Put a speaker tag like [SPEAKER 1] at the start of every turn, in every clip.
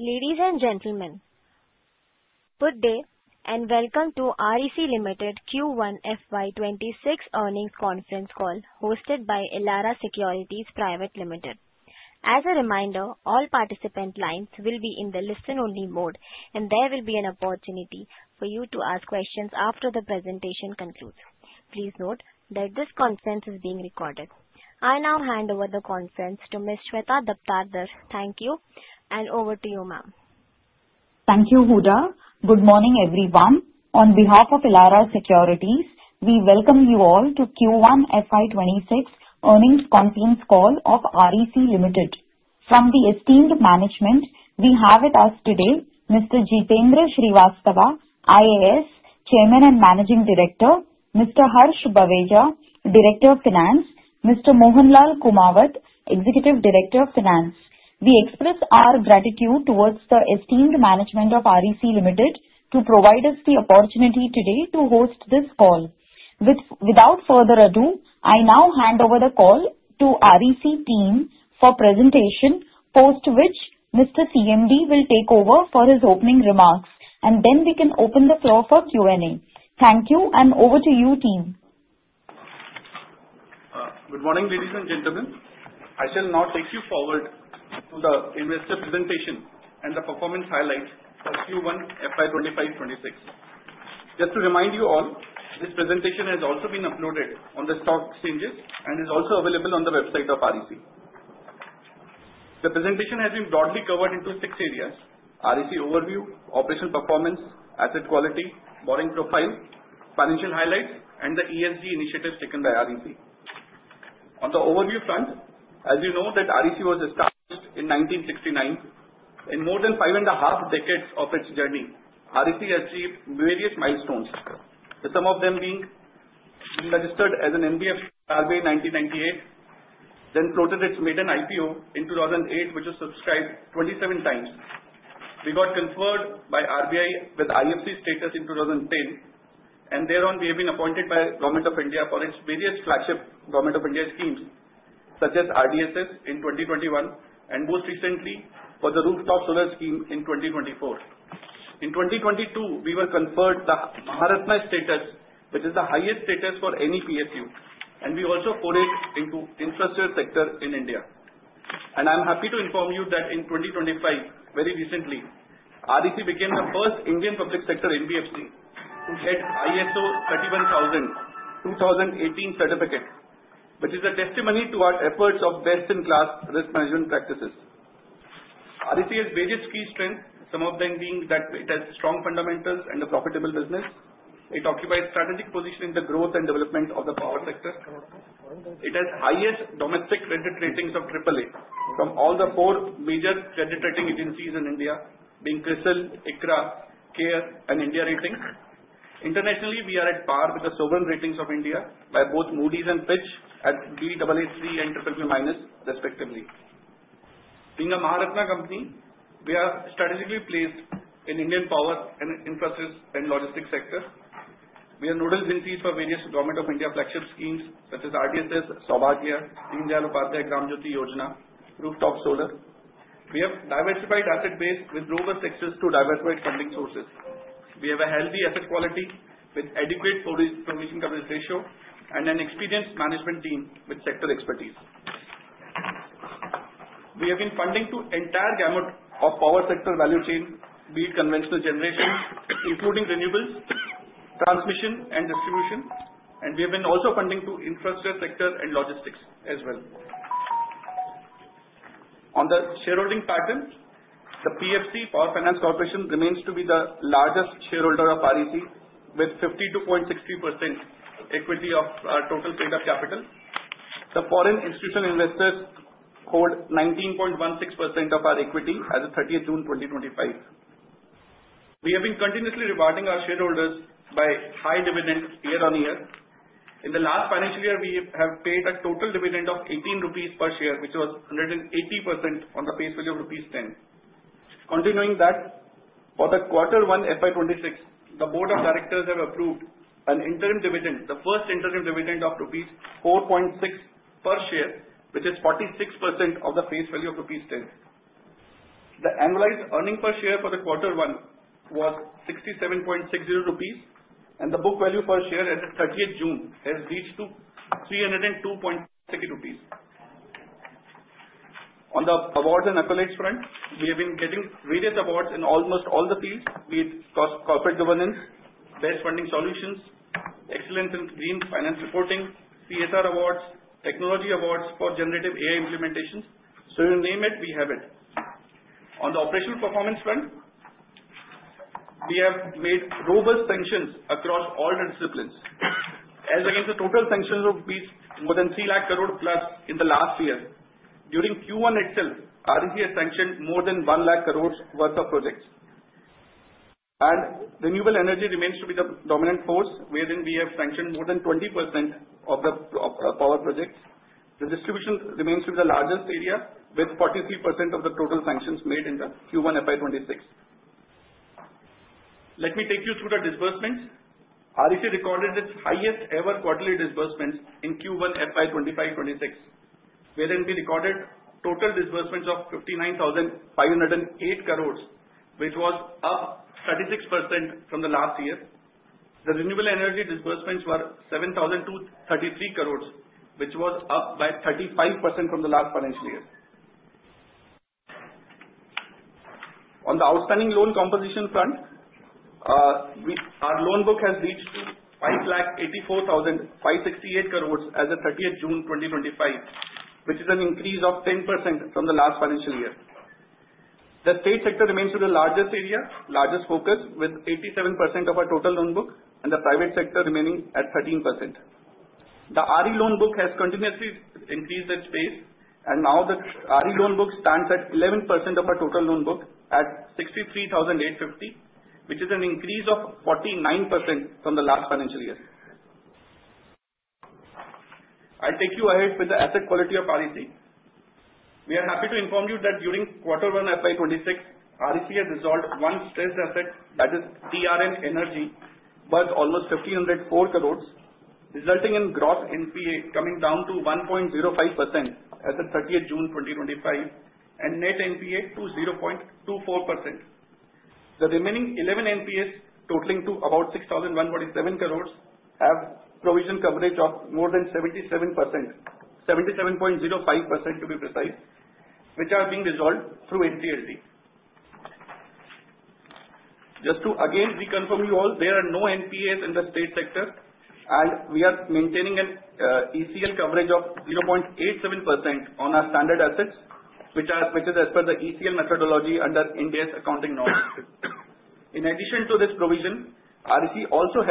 [SPEAKER 1] Ladies and gentlemen, good day and welcome to REC Limited Q1 FY 2026 Earnings Conference Call hosted by Elara Securities Private Limited. As a reminder, all participant lines will be in the listen-only mode, and there will be an opportunity for you to ask questions after the presentation concludes. Please note that this conference is being recorded. I now hand over the conference to Ms. Shweta Daptardar. Thank you, and over to you, ma'am.
[SPEAKER 2] Thank you, Huda. Good morning, everyone. On behalf of Elara Securities, we welcome you all to Q1 FY 2026 Earnings conference call of REC Limited. From the esteemed management, we have with us today Mr. Jitendra Srivastava, IAS, Chairman, and Managing Director, Mr. Harsh Baweja, Director of Finance, Mr. Mohan Lal Kumawat, Executive Director of Finance. We express our gratitude towards the esteemed management of REC Limited for providing us the opportunity today to host this call. Without further ado, I now hand over the call to REC team for presentation, post which Mr. CMD will take over for his opening remarks, and then we can open the floor for Q&A. Thank you, and over to you, team.
[SPEAKER 3] Good morning, ladies and gentlemen. I shall now take you forward to the investor presentation and the performance highlights for Q1 FY26. Just to remind you all, this presentation has also been uploaded on the stock exchanges and is also available on the website of REC. The presentation has been broadly covered into six areas: REC overview, operational performance, asset quality, borrowing profile, financial highlights, and the ESG initiatives taken by REC. On the overview front, as you know, REC was established in 1969. In more than five and a half decades of its journey, REC has achieved various milestones, some of them being registered as an NBFC with RBI in 1998, then floated its maiden IPO in 2008, which was subscribed 27x. We got conferred by RBI with IFC status in 2010, and thereon we have been appointed by the Government of India for its various flagship Government of India schemes, such as RDSS in 2021, and most recently for the Rooftop Solar scheme in 2024. In 2022, we were conferred the Maharatna status, which is the highest status for any PSU, and we also forayed into the infrastructure sector in India. And I'm happy to inform you that in 2025, very recently, REC became the first Indian public sector NBFC to get ISO 31000:2018 certificate, which is a testimony to our efforts of best-in-class risk management practices. REC has various key strengths, some of them being that it has strong fundamentals and a profitable business. It occupies a strategic position in the growth and development of the power sector. It has the highest domestic credit ratings of AAA from all the four major credit rating agencies in India, being CRISIL, ICRA, CARE, and India Ratings. Internationally, we are at par with the sovereign ratings of India by both Moody's and Fitch at Baa3 and BBB-, respectively. Being a Maharatna company, we are strategically placed in the Indian power and infrastructure and logistics sector. We are nodal agencies for various Government of India flagship schemes, such as RDSS, Saubhagya, Deen Dayal Upadhyaya Gram Jyoti Yojana, and Rooftop Solar. We have a diversified asset base with robust access to diversified funding sources. We have a healthy asset quality with an adequate provision coverage ratio and an experienced management team with sector expertise. We have been funding the entire gamut of power sector value chain beyond conventional generation, including renewables, transmission, and distribution. We have been also funding the infrastructure sector and logistics as well. On the shareholding pattern, the PFC, Power Finance Corporation, remains to be the largest shareholder of REC, with a 52.63% equity of our total paid-up capital. The foreign institutional investors hold 19.16% of our equity as of 30 June 2025. We have been continuously rewarding our shareholders by high dividends year on year. In the last financial year, we have paid a total dividend of 18 rupees per share, which was 180% on the face value of rupees 10. Continuing that, for the Q1 FY 2026, the Board of Directors has approved an interim dividend, the first interim dividend of rupees 4.60 per share, which is 46% of the face value of rupees 10. The annualized earnings per share for Q1 was 67.60 rupees, and the book value per share as of 30 June has reached 302.60 rupees. On the awards and accolades front, we have been getting various awards in almost all the fields, be it corporate governance, best funding solutions, excellence in green finance reporting, CSR awards, technology awards for generative AI implementations. So you name it, we have it. On the operational performance front, we have made robust sanctions across all the disciplines, as against a total sanction of more than 3 lakh crore+ in the last year. During Q1 itself, REC has sanctioned more than 1 lakh crore worth of projects. And renewable energy remains to be the dominant force, wherein we have sanctioned more than 20% of the power projects. The distribution remains to be the largest area, with 43% of the total sanctions made in Q1 FY 2026. Let me take you through the disbursements. REC recorded its highest-ever quarterly disbursements in Q1 FY 2025-2026, wherein we recorded total disbursements of 59,508 crore, which was up 36% from the last year. The renewable energy disbursements were 7,233 crore, which was up by 35% from the last financial year. On the outstanding loan composition front, our loan book has reached 584,568 crore as of 30 June 2025, which is an increase of 10% from the last financial year. The state sector remains to be the largest area, largest focus, with 87% of our total loan book, and the private sector remaining at 13%. The RE loan book has continuously increased its pace, and now the RE loan book stands at 11% of our total loan book at 63,850, which is an increase of 49% from the last financial year. I'll take you ahead with the asset quality of REC. We are happy to inform you that during Q1 FY 2026, REC has resolved one stressed asset, that is TRN Energy, worth almost 1,504 crore, resulting in gross NPA coming down to 1.05% as of 30 June 2025, and net NPA to 0.24%. The remaining 11 NPAs, totaling to about 6,147 crore, have provision coverage of more than 77%, 77.05% to be precise, which are being resolved through NCLT. Just to again reconfirm you all, there are no NPAs in the state sector, and we are maintaining an ECL coverage of 0.87% on our standard assets, which is as per the ECL methodology under India's accounting norms. In addition to this provision, REC also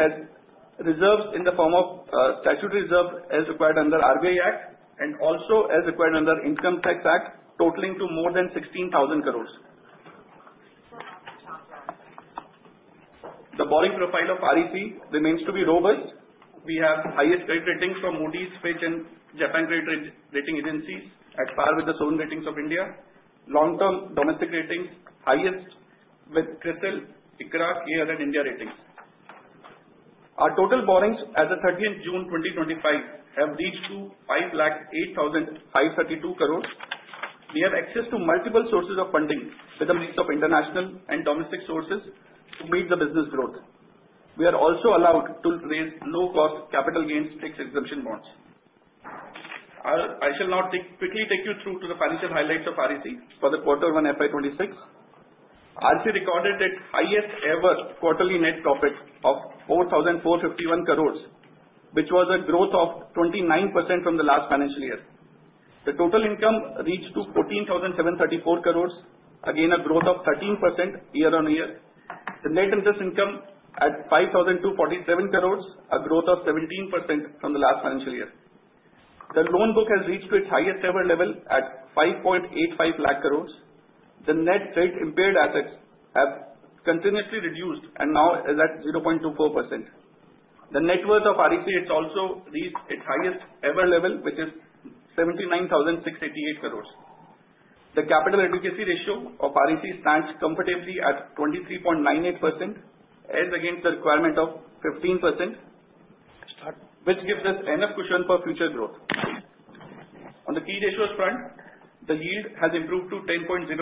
[SPEAKER 3] has reserves in the form of statutory reserves as required under the RBI Act, and also as required under the Income Tax Act, totaling to more than 16,000 crore. The borrowing profile of REC remains to be robust. We have the highest credit ratings from Moody's, Fitch, and Japan Credit Rating Agency, at par with the sovereign ratings of India. Long-term domestic ratings are highest, with CRISIL, ICRA, CARE, and India Ratings. Our total borrowings as of 30 June 2025 have reached 508,532 crore. We have access to multiple sources of funding, with a mix of international and domestic sources, to meet the business growth. We are also allowed to raise low-cost capital gains tax exemption bonds. I shall now quickly take you through the financial highlights of REC for Q1 FY 2026. REC recorded its highest-ever quarterly net profit of 4,451 crore, which was a growth of 29% from the last financial year. The total income reached 14,734 crore, again a growth of 13% year-on-year. The net interest income is 5,247 crore, a growth of 17% from the last financial year. The loan book has reached its highest-ever level at 5.85 lakh crore. The net credit impaired assets have continuously reduced and now are at 0.24%. The net worth of REC has also reached its highest-ever level, which is 79,688 crore. The capital adequacy ratio of REC stands comfortably at 23.98%, as against a requirement of 15%, which gives us enough cushion for future growth. On the key ratios front, the yield has improved to 10.08%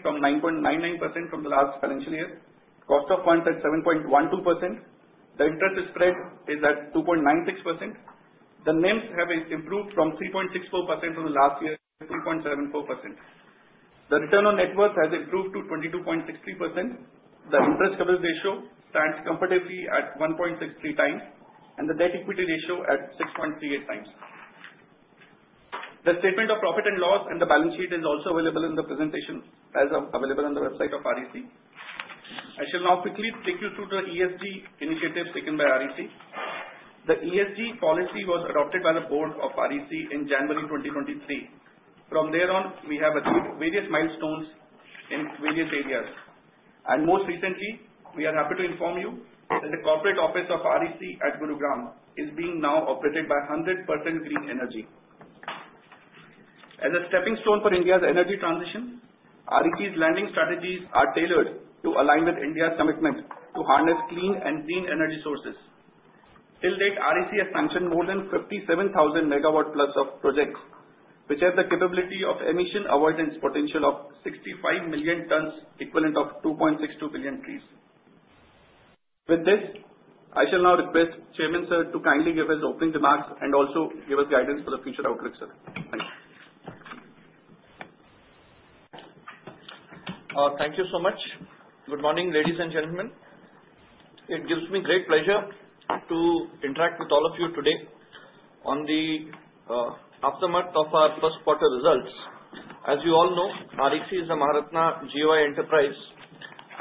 [SPEAKER 3] from 9.99% from the last financial year. The cost of funds is at 7.12%. The interest spread is at 2.96%. The NIM has improved from 3.64% from the last year to 3.74%. The return on net worth has improved to 22.63%. The interest coverage ratio stands comfortably at 1.63x, and the debt-equity ratio is at 6.38x. The statement of profit and loss and the balance sheet are also available in the presentation as available on the website of REC. I shall now quickly take you through the ESG initiatives taken by REC. The ESG policy was adopted by the Board of REC in January 2023. From thereon, we have achieved various milestones in various areas, and most recently, we are happy to inform you that the corporate office of REC at Gurugram is being now operated by 100% green energy. As a stepping stone for India's energy transition, REC's lending strategies are tailored to align with India's commitment to harness clean and green energy sources. Till date, REC has sanctioned more than 57,000 megawatt-plus projects, which have the capability of emission avoidance potential of 65 million tons, equivalent to 2.62 billion trees. With this, I shall now request Chairman Sir to kindly give us opening remarks and also give us guidance for the future outlook. Sir, thank you.
[SPEAKER 4] Thank you so much. Good morning, ladies and gentlemen. It gives me great pleasure to interact with all of you today on the aftermath of our first quarter results. As you all know, REC is a Maharatna GOI enterprise,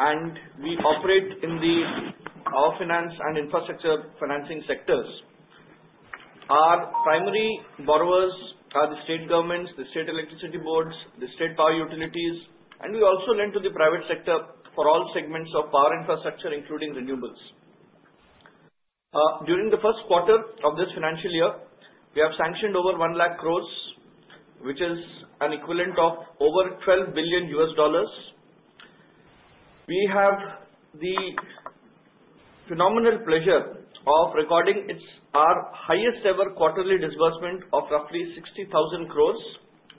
[SPEAKER 4] and we operate in the power finance and infrastructure financing sectors. Our primary borrowers are the state governments, the state electricity boards, the state power utilities, and we also lend to the private sector for all segments of power infrastructure, including renewables. During the first quarter of this financial year, we have sanctioned over 1 lakh crore, which is an equivalent of over $12 billion. We have the phenomenal pleasure of recording our highest-ever quarterly disbursement of roughly 60,000 crore,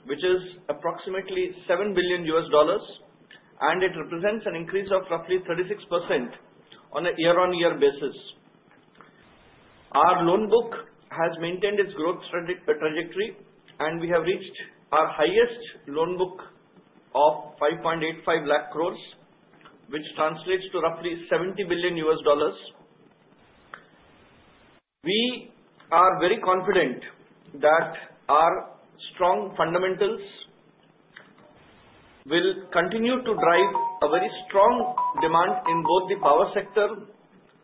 [SPEAKER 4] which is approximately $7 billion, and it represents an increase of roughly 36% on a year-on-year basis. Our loan book has maintained its growth trajectory, and we have reached our highest loan book of 5.85 lakh crore, which translates to roughly $70 billion. We are very confident that our strong fundamentals will continue to drive a very strong demand in both the power sector,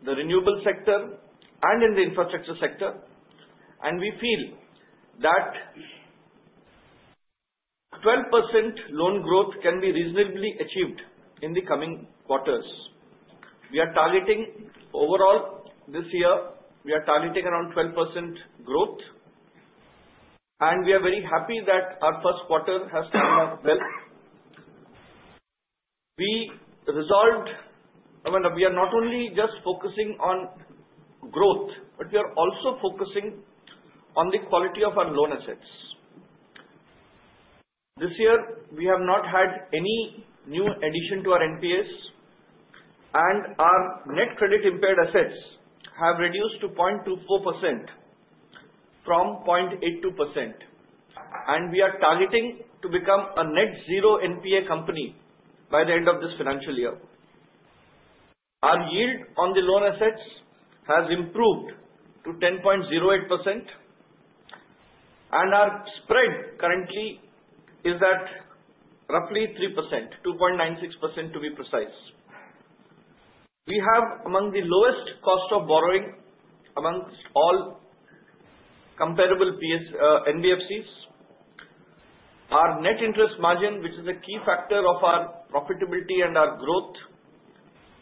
[SPEAKER 4] the renewable sector, and in the infrastructure sector. And we feel that 12% loan growth can be reasonably achieved in the coming quarters. We are targeting overall this year, we are targeting around 12% growth, and we are very happy that our first quarter has turned out well. We resolved, I mean, we are not only just focusing on growth, but we are also focusing on the quality of our loan assets. This year, we have not had any new addition to our NPAs, and our net credit impaired assets have reduced to 0.24% from 0.82%, and we are targeting to become a net-zero NPA company by the end of this financial year. Our yield on the loan assets has improved to 10.08%, and our spread currently is at roughly 3%, 2.96% to be precise. We have among the lowest cost of borrowing among all comparable NBFCs. Our net interest margin, which is a key factor of our profitability and our growth,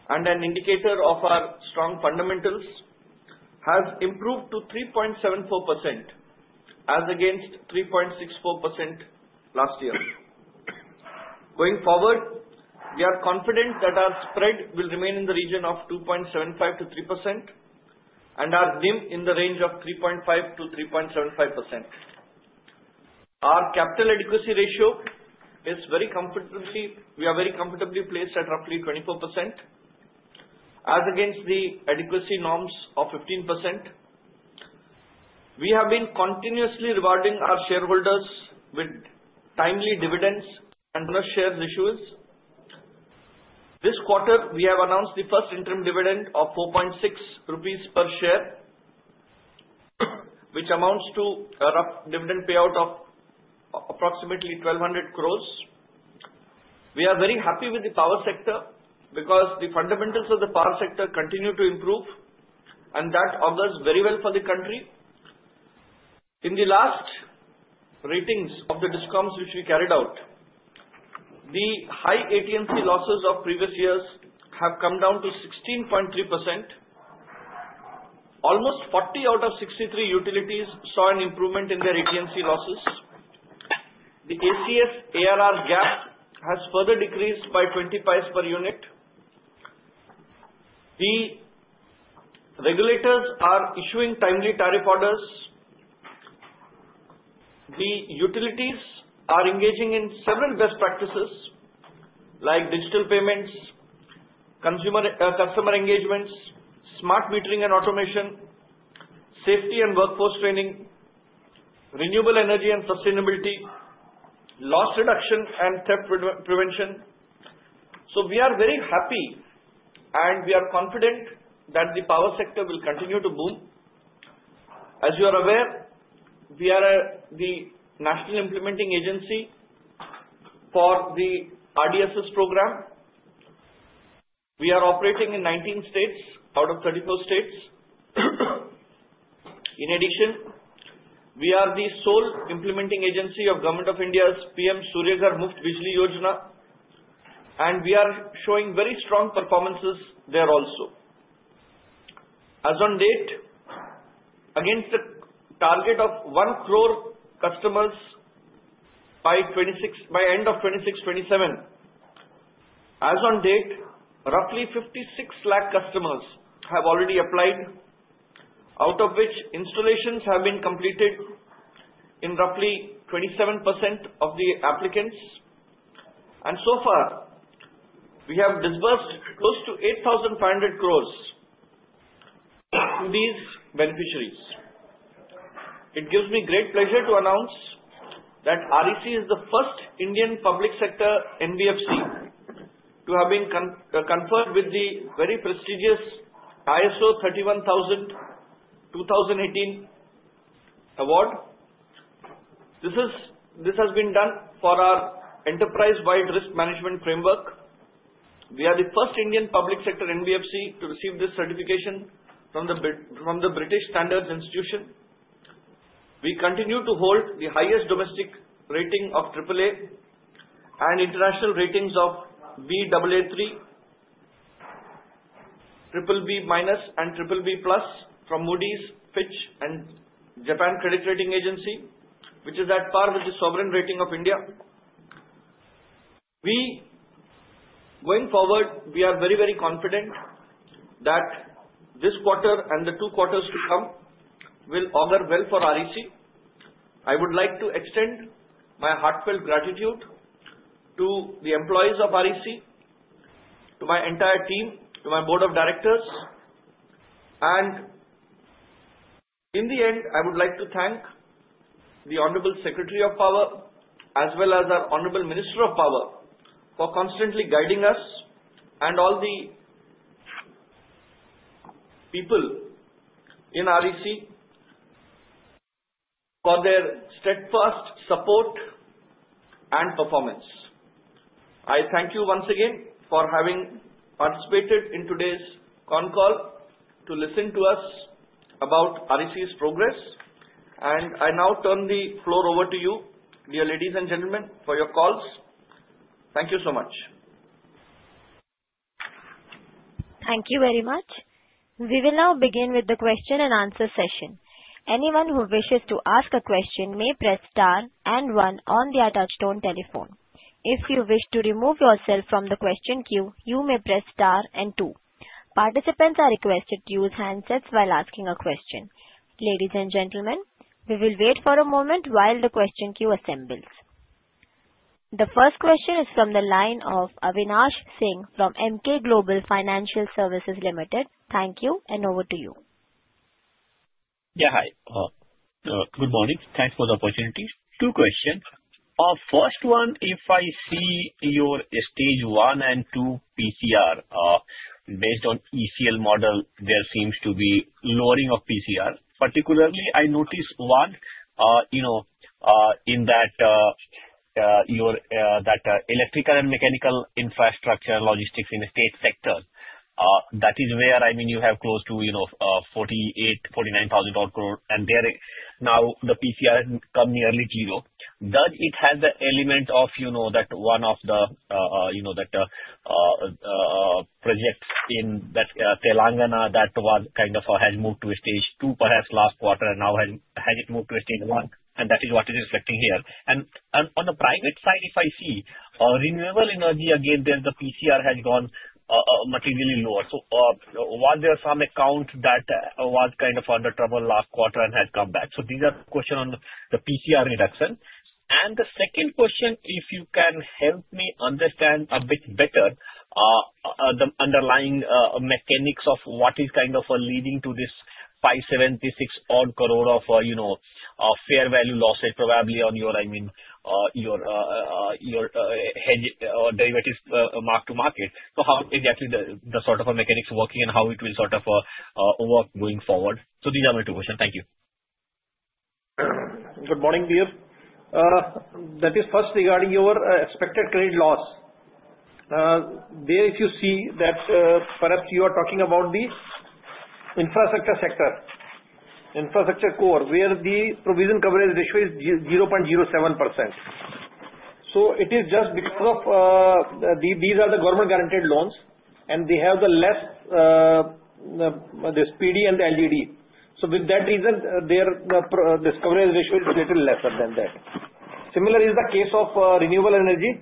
[SPEAKER 4] and an indicator of our strong fundamentals, has improved to 3.74%, as against 3.64% last year. Going forward, we are confident that our spread will remain in the region of 2.75%-3%, and our NIM in the range of 3.5%-3.75%. Our capital adequacy ratio is very comfortably placed at roughly 24%, as against the adequacy norms of 15%. We have been continuously rewarding our shareholders with timely dividends and share issues. This quarter, we have announced the first interim dividend of INR 4.60 per share, which amounts to a rough dividend payout of approximately 1,200 crore. We are very happy with the power sector because the fundamentals of the power sector continue to improve, and that augurs very well for the country. In the last ratings of the discoms which we carried out, the high AT&C losses of previous years have come down to 16.3%. Almost 40 out of 63 utilities saw an improvement in their AT&C losses. The ACS-ARR gap has further decreased by 20 paise per unit. The regulators are issuing timely tariff orders. The utilities are engaging in several best practices, like digital payments, customer engagements, smart metering and automation, safety and workforce training, renewable energy and sustainability, loss reduction and theft prevention. So we are very happy, and we are confident that the power sector will continue to boom. As you are aware, we are the national implementing agency for the RDSS program. We are operating in 19 states out of 34 states. In addition, we are the sole implementing agency of Government of India's PM Surya Ghar: Muft Bijli Yojana, and we are showing very strong performances there also. As on date, against the target of one crore customers by end of 2026-2027, as on date, roughly 56 lakh customers have already applied, out of which installations have been completed in roughly 27% of the applicants, and so far, we have disbursed close to 8,500 crores to these beneficiaries. It gives me great pleasure to announce that REC is the first Indian public sector NBFC to have been conferred with the very prestigious ISO 31000:2018 award. This has been done for our enterprise-wide risk management framework. We are the first Indian public sector NBFC to receive this certification from the British Standards Institution. We continue to hold the highest domestic rating of AAA and international ratings of Baa3, BBB-, and BBB+ from Moody's, Fitch, and Japan Credit Rating Agency, which is at par with the sovereign rating of India. Going forward, we are very, very confident that this quarter and the two quarters to come will augur well for REC. I would like to extend my heartfelt gratitude to the employees of REC, to my entire team, to my board of directors, and in the end, I would like to thank the Honorable Secretary of Power, as well as our Honorable Minister of Power, for constantly guiding us and all the people in REC for their steadfast support and performance. I thank you once again for having participated in today's conference call to listen to us about REC's progress, and I now turn the floor over to you, dear ladies and gentlemen, for your calls. Thank you so much.
[SPEAKER 1] Thank you very much. We will now begin with the question and answer session. Anyone who wishes to ask a question may press star and one on the touch-tone telephone. If you wish to remove yourself from the question queue, you may press star and two. Participants are requested to use handsets while asking a question. Ladies and gentlemen, we will wait for a moment while the question queue assembles. The first question is from the line of Avinash Singh from Emkay Global Financial Services Limited. Thank you, and over to you.
[SPEAKER 5] Yeah, hi. Good morning. Thanks for the opportunity. Two questions. First one, if I see your Stage 1 and 2 PCR based on ECL model, there seems to be lowering of PCR. Particularly, I notice one in that your electrical and mechanical infrastructure logistics in the state sector. That is where, I mean, you have close to 48,000-49,000 crore, and there now the PCR has come nearly zero. Does it have the element of that one of the projects in that Telangana that kind of has moved to a Stage 2, perhaps last quarter, and now has it moved to a Stage 1? And that is what is reflecting here. And on the private side, if I see renewable energy, again, there the PCR has gone materially lower. So were there some accounts that were kind of under trouble last quarter and had come back? So these are questions on the PCR reduction. And the second question, if you can help me understand a bit better the underlying mechanics of what is kind of leading to this 576 crore of fair value losses, probably on your, I mean, your derivatives marked to market. So how exactly the sort of mechanics working and how it will sort of work going forward? So these are my two questions. Thank you.
[SPEAKER 4] Good morning, dear. That is first regarding your expected credit loss. There, if you see that perhaps you are talking about the infrastructure sector, infrastructure core, where the provision coverage ratio is 0.07%. So it is just because of these are the government-guaranteed loans, and they have lesser, this PD and the LGD. So with that reason, their coverage ratio is a little lesser than that. Similar is the case of renewable energy.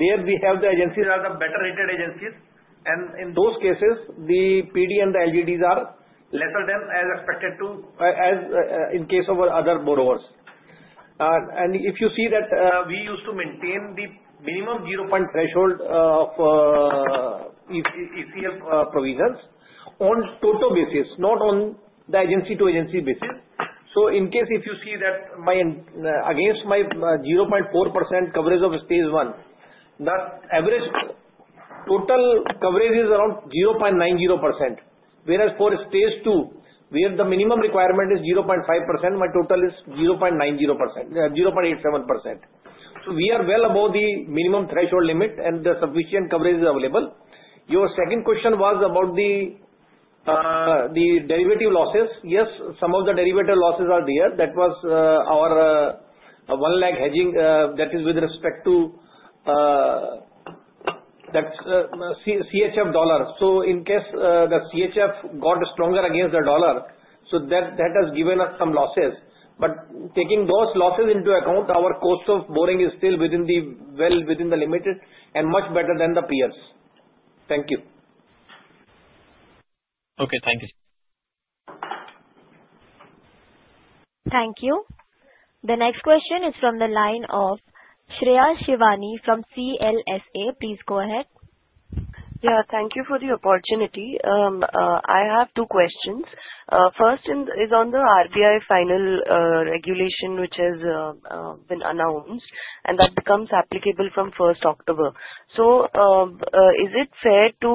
[SPEAKER 4] There we have the agencies that are the better rated agencies. And in those cases, the PD and the LGDs are lesser than as expected, too in case of other borrowers. And if you see that we used to maintain the minimum 0-point threshold of ECL provisions on total basis, not on the agency-to-agency basis. So in case if you see that against my 0.4% coverage of Stage 1, the average total coverage is around 0.90%. Whereas for Stage 2, where the minimum requirement is 0.5%, my total is 0.87%. So we are well above the minimum threshold limit, and the sufficient coverage is available. Your second question was about the derivative losses. Yes, some of the derivative losses are there. That was our 1 lakh hedging that is with respect to that CHF dollar. So in case the CHF got stronger against the dollar, so that has given us some losses. But taking those losses into account, our cost of borrowing is still well within the limit and much better than the peers. Thank you.
[SPEAKER 5] Okay, thank you.
[SPEAKER 1] Thank you. The next question is from the line of Shreya Shivani from CLSA. Please go ahead.
[SPEAKER 6] Yeah, thank you for the opportunity. I have two questions. First is on the RBI final regulation, which has been announced, and that becomes applicable from 1st October. So is it fair to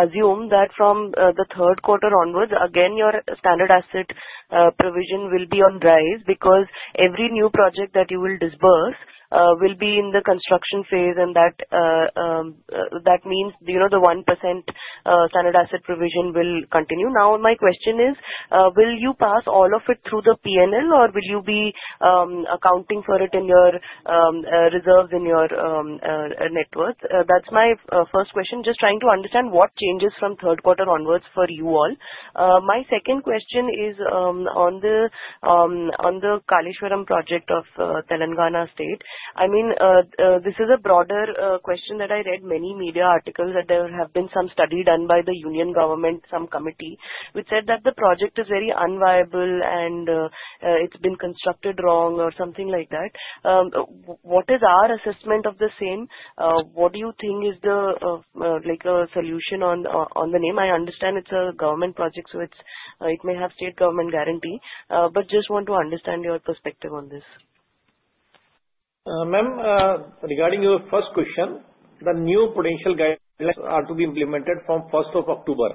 [SPEAKER 6] assume that from the third quarter onwards, again, your standard asset provision will be on rise because every new project that you will disburse will be in the construction phase, and that means the 1% standard asset provision will continue? Now, my question is, will you pass all of it through the P&L, or will you be accounting for it in your reserves in your net worth? That's my first question. Just trying to understand what changes from third quarter onwards for you all. My second question is on the Kaleshwaram Project of Telangana state. I mean, this is a broader question that I read many media articles that there have been some study done by the Union Government, some committee, which said that the project is very unviable, and it's been constructed wrong or something like that. What is our assessment of the same? What do you think is the solution on the NPA? I understand it's a government project, so it may have state government guarantee. But just want to understand your perspective on this.
[SPEAKER 4] Ma'am, regarding your first question, the new prudential guidelines are to be implemented from 1st of October.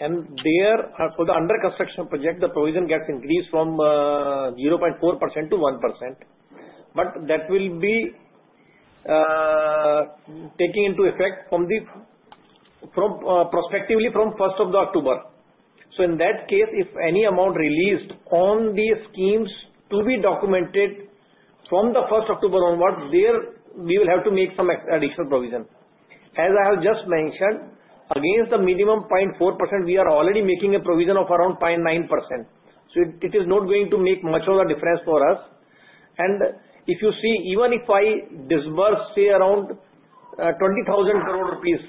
[SPEAKER 4] And therefore for the under construction project, the provision gaps increase from 0.4%-1%. But that will be taking into effect from prospectively from 1st of October. So in that case, if any amount released on the schemes to be documented from the 1st October onwards, there we will have to make some additional provision. As I have just mentioned, against the minimum 0.4%, we are already making a provision of around 0.9%. So it is not going to make much of a difference for us. If you see, even if I disburse, say, around 20,000 crore rupees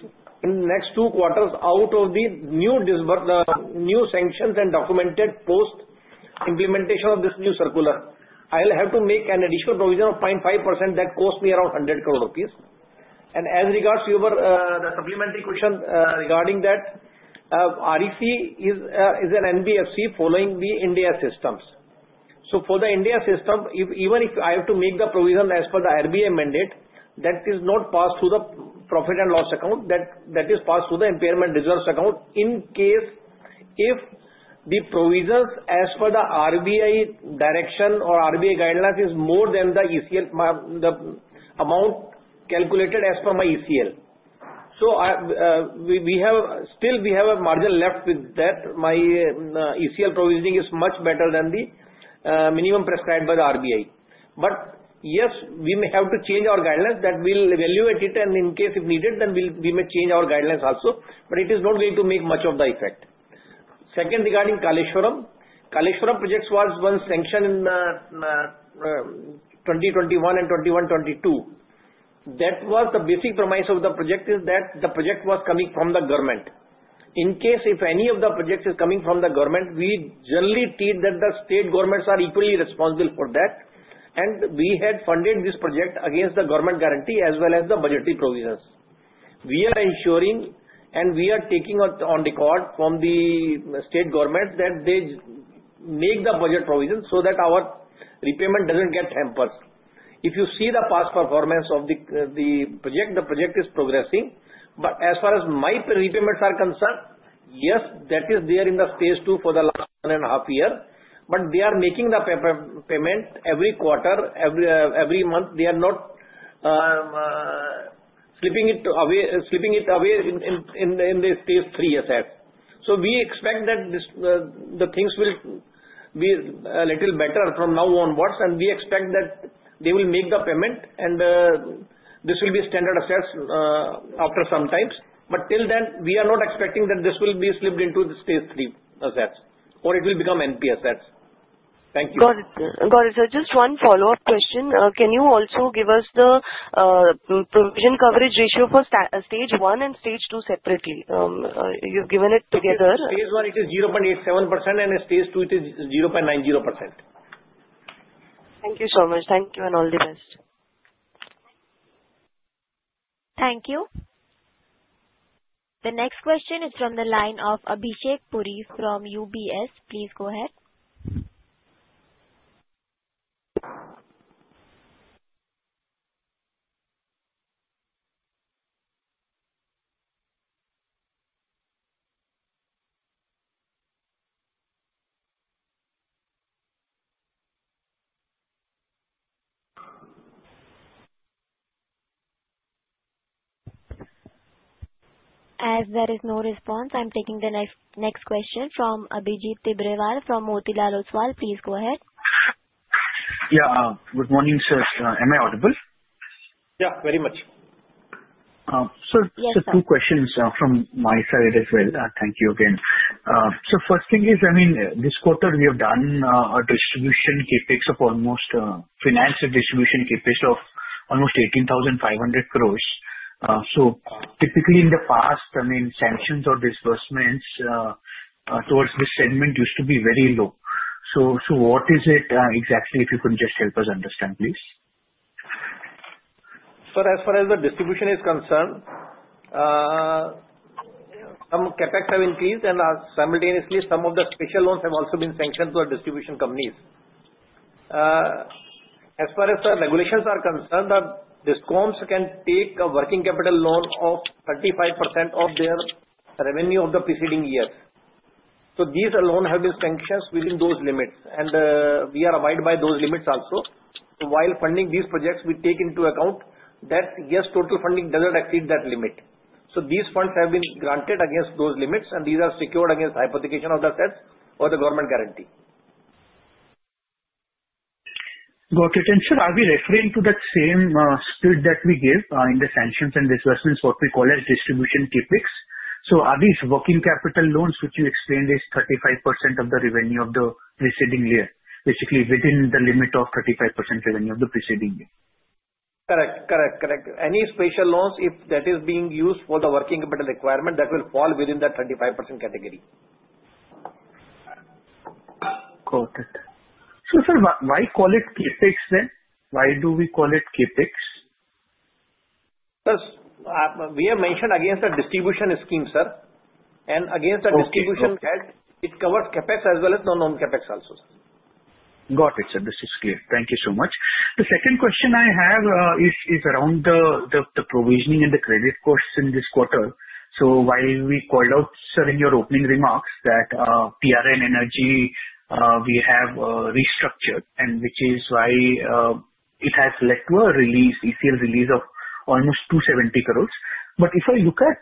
[SPEAKER 4] in the next two quarters out of the new sanctions and documented post implementation of this new circular, I will have to make an additional provision of 0.5% that costs me around 100 crore rupees. As regards to your supplementary question regarding that, REC is an NBFC following the Ind AS. So for the Ind AS, even if I have to make the provision as per the RBI mandate, that is not passed through the profit and loss account. That is passed through the impairment reserves account in case if the provisions as per the RBI direction or RBI guidelines is more than the amount calculated as per my ECL. So still we have a margin left with that. My ECL provisioning is much better than the minimum prescribed by the RBI. But yes, we may have to change our guidelines. That we will evaluate it, and in case if needed, then we may change our guidelines also. But it is not going to make much of the effect. Second, regarding Kaleshwaram, Kaleshwaram project was once sanctioned in 2021 and 2021-2022. That was the basic premise of the project is that the project was coming from the government. In case if any of the projects is coming from the government, we generally treat that the state governments are equally responsible for that. And we had funded this project against the government guarantee as well as the budgetary provisions. We are ensuring, and we are taking on record from the state governments that they make the budget provision so that our repayment doesn't get hampered. If you see the past performance of the project, the project is progressing. As far as my repayments are concerned, yes, that is there in Stage 2 for the last one and a half year. But they are making the payment every quarter, every month. They are not slipping it away in Stage 3 as such. So we expect that the things will be a little better from now onwards, and we expect that they will make the payment, and this will be standard assets after some time. But till then, we are not expecting that this will be slipped into the Stage 3 assets or it will become NPA assets. Thank you.
[SPEAKER 6] Got it, sir. Just one follow-up question. Can you also give us the Provision Coverage Ratio for Stage 1 and Stage 2 separately? You've given it together.
[SPEAKER 4] Stage 1, it is 0.87%, and Stage 2, it is 0.90%.
[SPEAKER 6] Thank you so much. Thank you, and all the best.
[SPEAKER 1] Thank you. The next question is from the line of Abhishek Puri from UBS. Please go ahead. As there is no response, I'm taking the next question from Abhijit Tibrewal from Motilal Oswal. Please go ahead.
[SPEAKER 7] Yeah, good morning, sir. Am I audible?
[SPEAKER 4] Yeah, very much.
[SPEAKER 7] Sir, two questions from my side as well. Thank you again. So first thing is, I mean, this quarter, we have done a disbursement of almost INR 18,500 crore in distribution CapEx. So typically in the past, I mean, sanctions or disbursements towards this segment used to be very low. So what is it exactly if you could just help us understand, please?
[SPEAKER 3] Sir, as far as the distribution is concerned, some CapEx have increased, and simultaneously, some of the special loans have also been sanctioned to the distribution companies. As far as the regulations are concerned, the Discoms can take a working capital loan of 35% of their revenue of the preceding years. So these alone have been sanctioned within those limits, and we are abiding by those limits also. While funding these projects, we take into account that, yes, total funding doesn't exceed that limit. So these funds have been granted against those limits, and these are secured against hypothecation of the assets or the government guarantee.
[SPEAKER 7] Got it. And sir, are we referring to that same split that we gave in the sanctions and disbursements, what we call as distribution CapEx? So are these working capital loans, which you explained, is 35% of the revenue of the preceding year, basically within the limit of 35% revenue of the preceding year?
[SPEAKER 3] Correct, correct, correct. Any special loans, if that is being used for the working capital requirement, that will fall within that 35% category.
[SPEAKER 7] Got it. So sir, why call it CapEx then? Why do we call it CapEx?
[SPEAKER 3] We have mentioned against the distribution scheme, sir, and against the distribution as it covers CapEx as well as non-CapEx also.
[SPEAKER 7] Got it, sir. This is clear. Thank you so much. The second question I have is around the provisioning and the credit costs in this quarter. So while we called out, sir, in your opening remarks that TRN Energy, we have restructured, and which is why it has led to a release, ECL release of almost 270 crore. But if I look at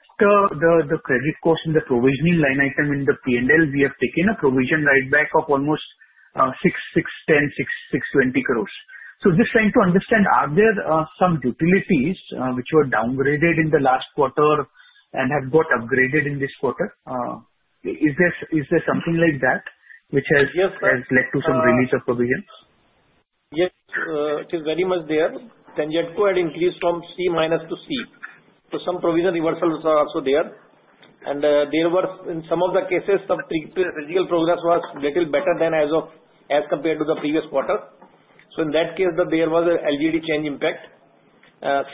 [SPEAKER 7] the credit cost in the provisioning line item in the P&L, we have taken a provision write-back of almost 610-620 crore. Just trying to understand, are there some utilities which were downgraded in the last quarter and have got upgraded in this quarter? Is there something like that which has led to some release of provisions?
[SPEAKER 3] Yes, it is very much there. TANGEDCO had increased from C- to C. So some provision reversals are also there. And there were, in some of the cases, the physical progress was a little better than as compared to the previous quarter. So in that case, there was an LGD change impact.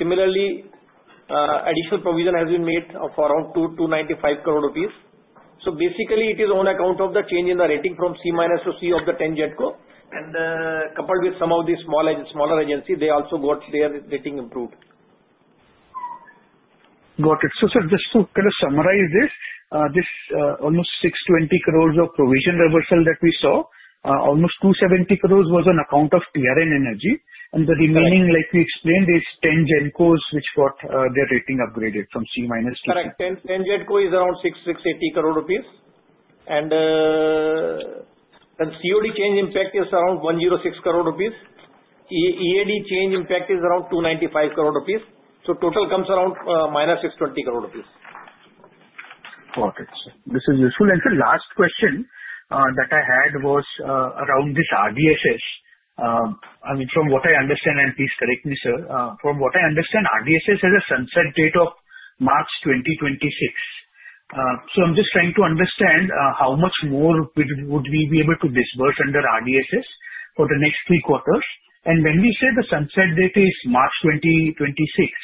[SPEAKER 3] Similarly, additional provision has been made for around 295 crore rupees. So basically, it is on account of the change in the rating from C- to C of the TANGEDCO. And coupled with some of the smaller agencies, they also got their rating improved.
[SPEAKER 7] Got it. So sir, just to kind of summarize this, this almost 620 crore of provision reversal that we saw, almost 270 crore was on account of TRN Energy. And the remaining, like you explained, is TANGEDCO's, which got their rating upgraded from C- to C.
[SPEAKER 3] Correct. TANGEDCO is around 680 crore rupees. And COD change impact is around 106 crore rupees. EAD change impact is around 295 crore rupees. So total comes around 620 crore rupees.
[SPEAKER 7] Got it, sir. This is useful. And sir, last question that I had was around this RDSS. I mean, from what I understand, and please correct me, sir, from what I understand, RDSS has a sunset date of March 2026. So I'm just trying to understand how much more would we be able to disburse under RDSS for the next three quarters. When we say the sunset date is March 2026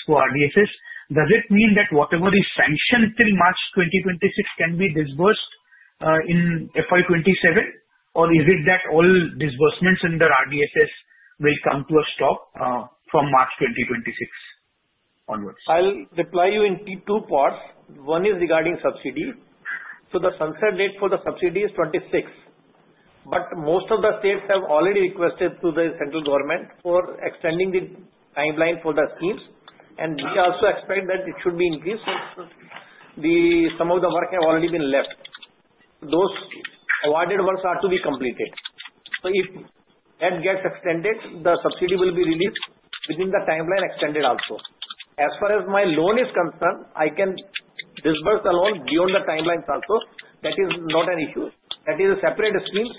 [SPEAKER 7] for RDSS, does it mean that whatever is sanctioned till March 2026 can be disbursed in FY 2027? Or is it that all disbursements under RDSS will come to a stop from March 2026 onwards?
[SPEAKER 3] I'll reply you in two parts. One is regarding subsidy. So the sunset date for the subsidy is 26. But most of the states have already requested to the central government for extending the timeline for the schemes. And we also expect that it should be increased. Some of the work has already been left. Those awarded works are to be completed. So if that gets extended, the subsidy will be released within the timeline extended also. As far as my loan is concerned, I can disburse the loan beyond the timelines also. That is not an issue. That is a separate scheme.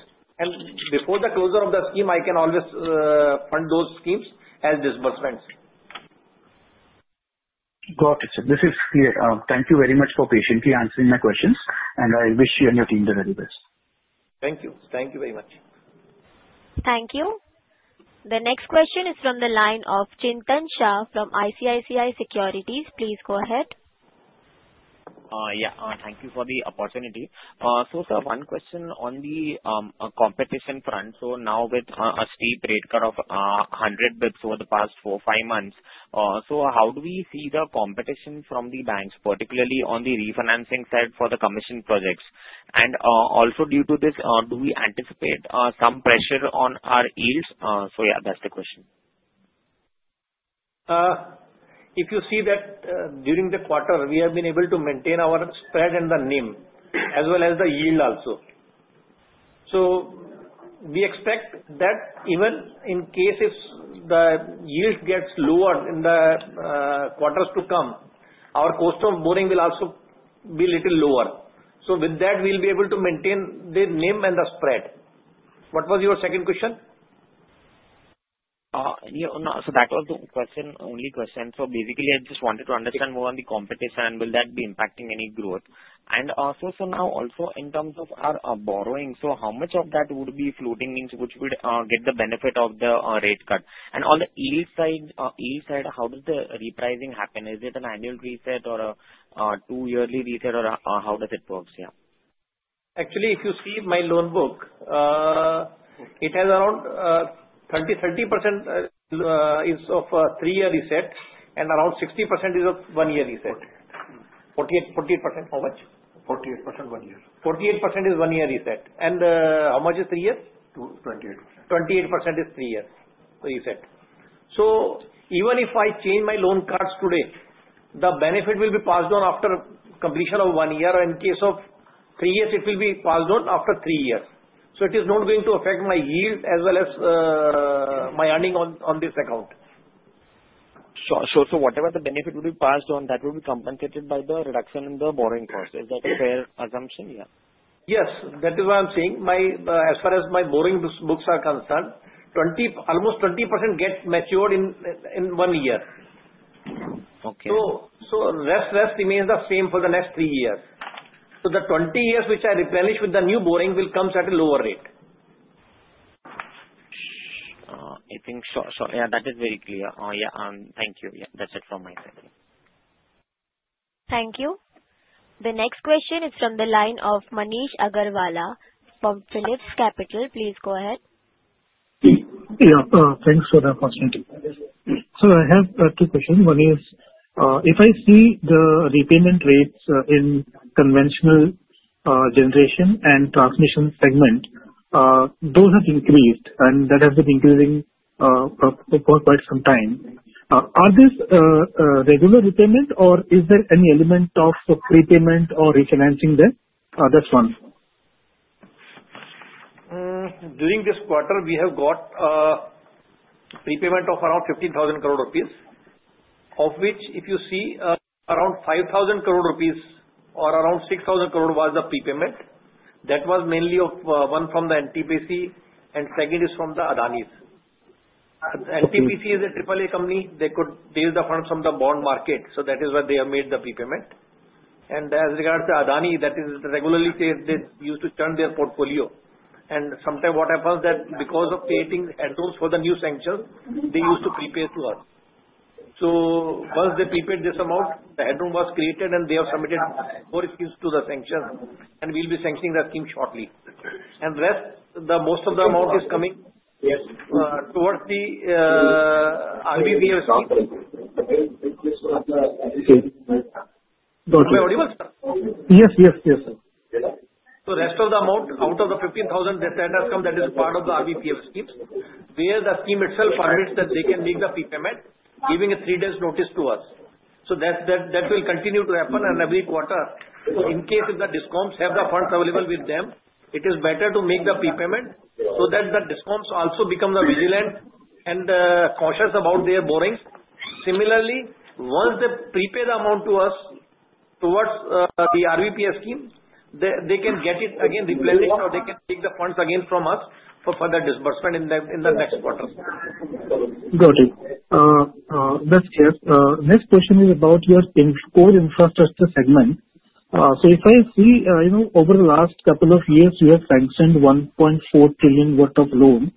[SPEAKER 3] Before the closure of the scheme, I can always fund those schemes as disbursements.
[SPEAKER 7] Got it, sir. This is clear. Thank you very much for patiently answering my questions. And I wish you and your team the very best.
[SPEAKER 3] Thank you. Thank you very much.
[SPEAKER 1] Thank you. The next question is from the line of Chintan Shah from ICICI Securities. Please go ahead.
[SPEAKER 8] Yeah, thank you for the opportunity. So sir, one question on the competition front. So now with a steep rate cut of 100 over the past four, five months, so how do we see the competition from the banks, particularly on the refinancing side for the transmission projects? And also due to this, do we anticipate some pressure on our yields? So yeah, that's the question.
[SPEAKER 4] If you see that during the quarter, we have been able to maintain our spread and the NIM as well as the yield also. So we expect that even in case if the yield gets lower in the quarters to come, our cost of borrowing will also be a little lower. So with that, we'll be able to maintain the NIM and the spread. What was your second question?
[SPEAKER 8] So that was the only question. So basically, I just wanted to understand more on the competition and will that be impacting any growth? And also sir, now also in terms of our borrowing, so how much of that would be floating means which would get the benefit of the rate cut? And on the yield side, how does the repricing happen? Is it an annual reset or a two-yearly reset or how does it work? Yeah.
[SPEAKER 4] Actually, if you see my loan book, it has around 30% is of three-year reset and around 60% is of one-year reset. 48% how much?
[SPEAKER 3] 48% one-year.
[SPEAKER 4] 48% is one-year reset. And how much is three-year?
[SPEAKER 3] 28%.
[SPEAKER 4] 28% is three-year reset. So even if I change my loan rates today, the benefit will be passed on after completion of one year. In case of three-year, it will be passed on after three years. So it is not going to affect my yield as well as my earning on this account.
[SPEAKER 8] So whatever the benefit will be passed on, that will be compensated by the reduction in the borrowing cost. Is that a fair assumption? Yeah.
[SPEAKER 4] Yes, that is what I'm saying. As far as my borrowing books are concerned, almost 20% gets matured in one year. So less remains the same for the next three years. So the 20 years which I replenish with the new borrowing will come at a lower rate.
[SPEAKER 8] I think so. Yeah, that is very clear. Yeah, thank you. Yeah, that's it from my side.
[SPEAKER 1] Thank you. The next question is from the line of Manish Agarwalla from PhillipCapital. Please go ahead.
[SPEAKER 9] Yeah, thanks for the opportunity. So I have two questions. One is, if I see the repayment rates in conventional generation and transmission segment, those have increased, and that has been increasing for quite some time. Are these regular repayment, or is there any element of prepayment or refinancing there? That's one.
[SPEAKER 4] During this quarter, we have got a prepayment of around 15,000 crore rupees, of which if you see around 5,000 crore rupees or around 6,000 crore was the prepayment. That was mainly of one from the NTPC, and second is from the Adanis. NTPC is a AAA company. They could raise the funds from the bond market. So that is why they have made the prepayment. And as regards to Adani, that is regularly they used to churn their portfolio. And sometimes what happens that because of creating headrooms for the new sanctions, they used to prepay to us. So once they prepaid this amount, the headroom was created, and they have submitted four schemes to the sanctions, and we'll be sanctioning the scheme shortly. And the rest, most of the amount is coming towards the RBPF scheme. Got it?
[SPEAKER 9] Yes, yes, yes, sir.
[SPEAKER 4] So the rest of the amount out of the 15,000 that has come, that is part of the RBPF schemes, where the scheme itself permits that they can make the prepayment, giving a three-day notice to us. So that will continue to happen on every quarter. In case if the Discoms have the funds available with them, it is better to make the prepayment so that the Discoms also become vigilant and cautious about their borrowings. Similarly, once they prepay the amount to us towards the RDSS scheme, they can get it again replenished, or they can take the funds again from us for further disbursement in the next quarter.
[SPEAKER 9] Got it. That's clear. Next question is about your core infrastructure segment. So if I see over the last couple of years, you have sanctioned 1.4 trillion worth of loan,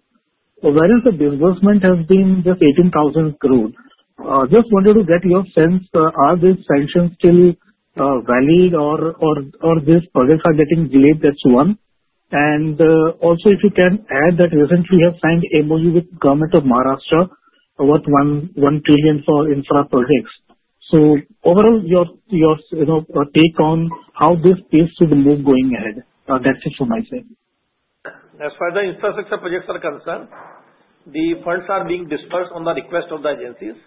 [SPEAKER 9] whereas the disbursement has been just 18,000 crore. Just wanted to get your sense, are these sanctions still valid, or are these projects getting delayed? That's one. And also if you can add that recently you have signed MOU with the government of Maharashtra worth 1 trillion for infra projects. So overall, your take on how this pays to the move going ahead, that's it from my side.
[SPEAKER 10] As far as the infrastructure projects are concerned, the funds are being disbursed on the request of the agencies.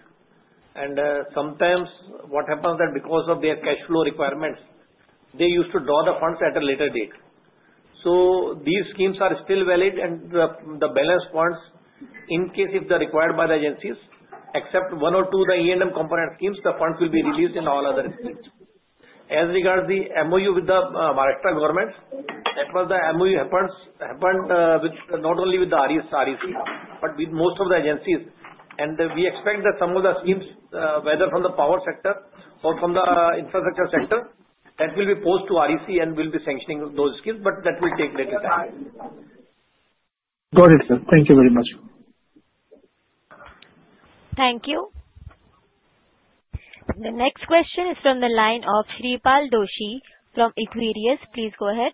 [SPEAKER 10] And sometimes what happens that because of their cash flow requirements, they used to draw the funds at a later date. So these schemes are still valid, and the balance funds, in case if they're required by the agencies, except one or two of the E&M component schemes, the funds will be released in all other schemes. As regards the MOU with the Maharashtra government, that was the MOU happened not only with the REC, but with most of the agencies. We expect that some of the schemes, whether from the power sector or from the infrastructure sector, that will be proposed to REC and will be sanctioning those schemes, but that will take later time.
[SPEAKER 9] Got it, sir. Thank you very much.
[SPEAKER 1] Thank you. The next question is from the line of Shreepal Doshi from Equirus. Please go ahead.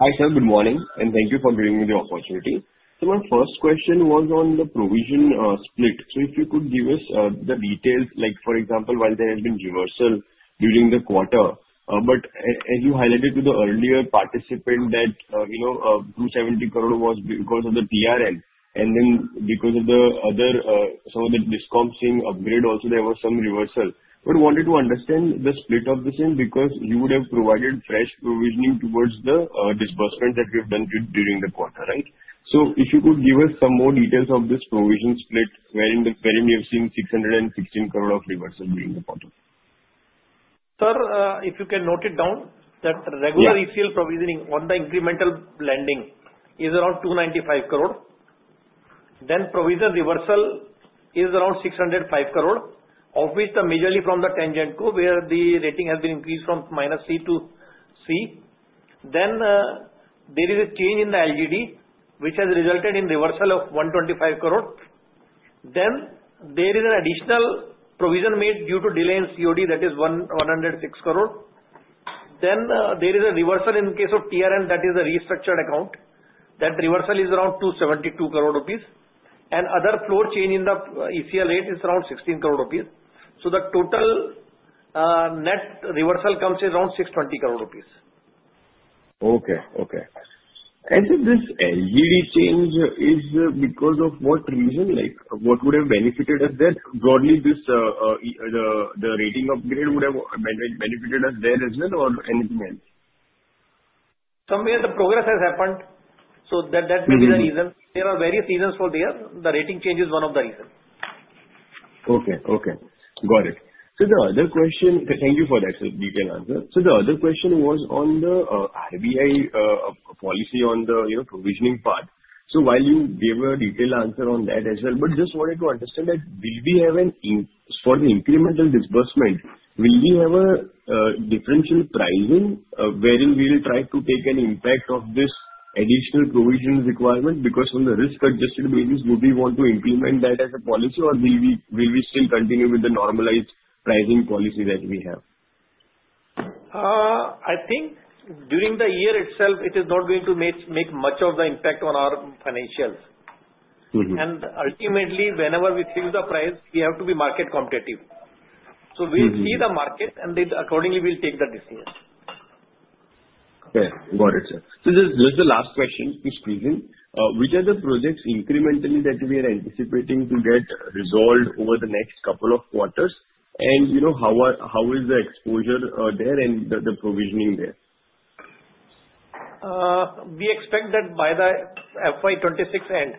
[SPEAKER 11] Hi sir, good morning, and thank you for giving me the opportunity. So my first question was on the provision split. So if you could give us the details, like for example, while there has been reversal during the quarter, but as you highlighted to the earlier participant that 270 crore was because of the PCR, and then because of some of the accounts being upgraded, also there was some reversal. But wanted to understand the split of the same because you would have provided fresh provisioning towards the disbursement that you have done during the quarter, right? So if you could give us some more details of this provision split, wherein you have seen 616 crore of reversal during the quarter.
[SPEAKER 3] Sir, if you can note it down that regular ECL provisioning on the incremental lending is around INR 295 crore. Then provision reversal is around INR 605 crore, of which the majority from the TANGEDCO, where the rating has been increased from -C to C. Then there is a change in the LGD, which has resulted in reversal of 125 crore. Then there is an additional provision made due to delay in COD, that is 106 crore. Then there is a reversal in case of TRN, that is a restructured account. That reversal is around 272 crore rupees. And other floor change in the ECL rate is around 16 crore rupees. So the total net reversal comes around 620 crore rupees.
[SPEAKER 11] Okay, okay. And so this LGD change is because of what reason? Like what would have benefited us there? Broadly, the rating upgrade would have benefited us there as well, or anything else?
[SPEAKER 3] Somewhere the progress has happened, so that may be the reason. There are various reasons for there. The rating change is one of the reasons.
[SPEAKER 11] Okay, okay. Got it. So the other question thank you for that detailed answer. So the other question was on the RBI policy on the provisioning part. So while you gave a detailed answer on that as well, but just wanted to understand that will we have an for the incremental disbursement, will we have a differential pricing wherein we will try to take an impact of this additional provision requirement? Because on the risk-adjusted basis, would we want to implement that as a policy, or will we still continue with the normalized pricing policy that we have?
[SPEAKER 3] I think during the year itself, it is not going to make much of the impact on our financials. And ultimately, whenever we fix the price, we have to be market competitive. So we'll see the market, and then accordingly, we'll take the decision.
[SPEAKER 11] Okay, got it, sir. So just the last question, please please. Which are the projects incrementally that we are anticipating to get resolved over the next couple of quarters? And how is the exposure there and the provisioning there?
[SPEAKER 3] We expect that by the FY 2026 end,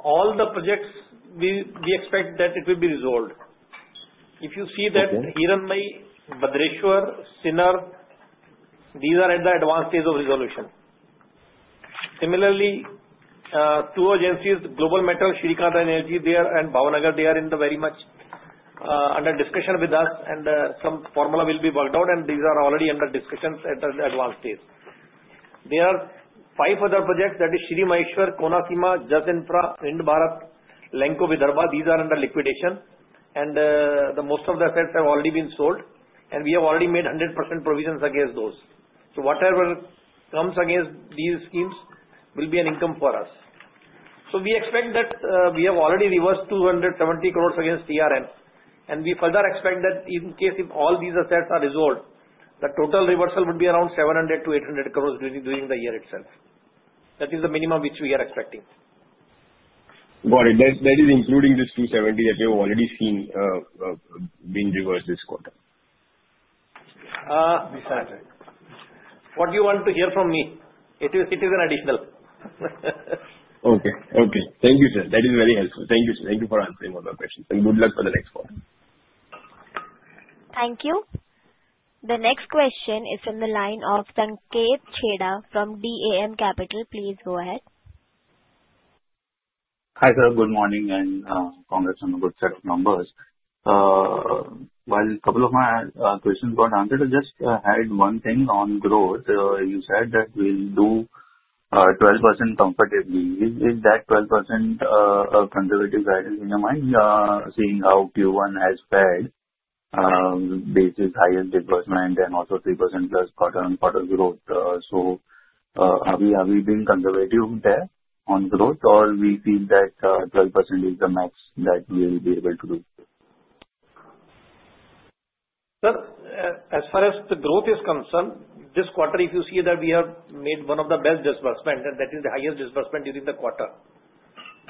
[SPEAKER 3] all the projects, we expect that it will be resolved. If you see that Hiranmaye, Bhadreshwar, Sinnar, these are at the advanced stage of resolution. Similarly, two agencies, Global Metal, Siti Energy there, and Bhavnagar, they are very much under discussion with us, and some formula will be worked out, and these are already under discussion at the advanced stage. There are five other projects that are Maheshwar, Konaseema, Jas Infra, Ind-Barath, Lanco, Vidarbha. These are under liquidation, and most of the sets have already been sold, and we have already made 100% provisions against those. So whatever comes against these schemes will be an income for us. So we expect that we have already reversed 270 crore against TRN, and we further expect that in case if all these assets are resolved, the total reversal would be around 700-800 crore during the year itself. That is the minimum which we are expecting.
[SPEAKER 11] Got it. That is including this 270 that you have already seen being reversed this quarter.
[SPEAKER 3] What do you want to hear from me? It is an additional.
[SPEAKER 11] Okay, okay. Thank you, sir. That is very helpful. Thank you, sir. Thank you for answering all the questions, and good luck for the next quarter.
[SPEAKER 1] Thank you. The next question is from the line of Sanket Chheda from DAM Capital. Please go ahead.
[SPEAKER 12] Hi sir, good morning, and congrats on a good set of numbers. While a couple of my questions got answered, I just had one thing on growth. You said that we'll do 12% comfortably. Is that 12% a conservative guidance in your mind, seeing how Q1 has led basis higher disbursement and also 3% plus quarter-on-quarter growth? So have we been conservative there on growth, or we feel that 12% is the max that we'll be able to do?
[SPEAKER 3] Sir, as far as the growth is concerned, this quarter, if you see that we have made one of the best disbursement, and that is the highest disbursement during the quarter,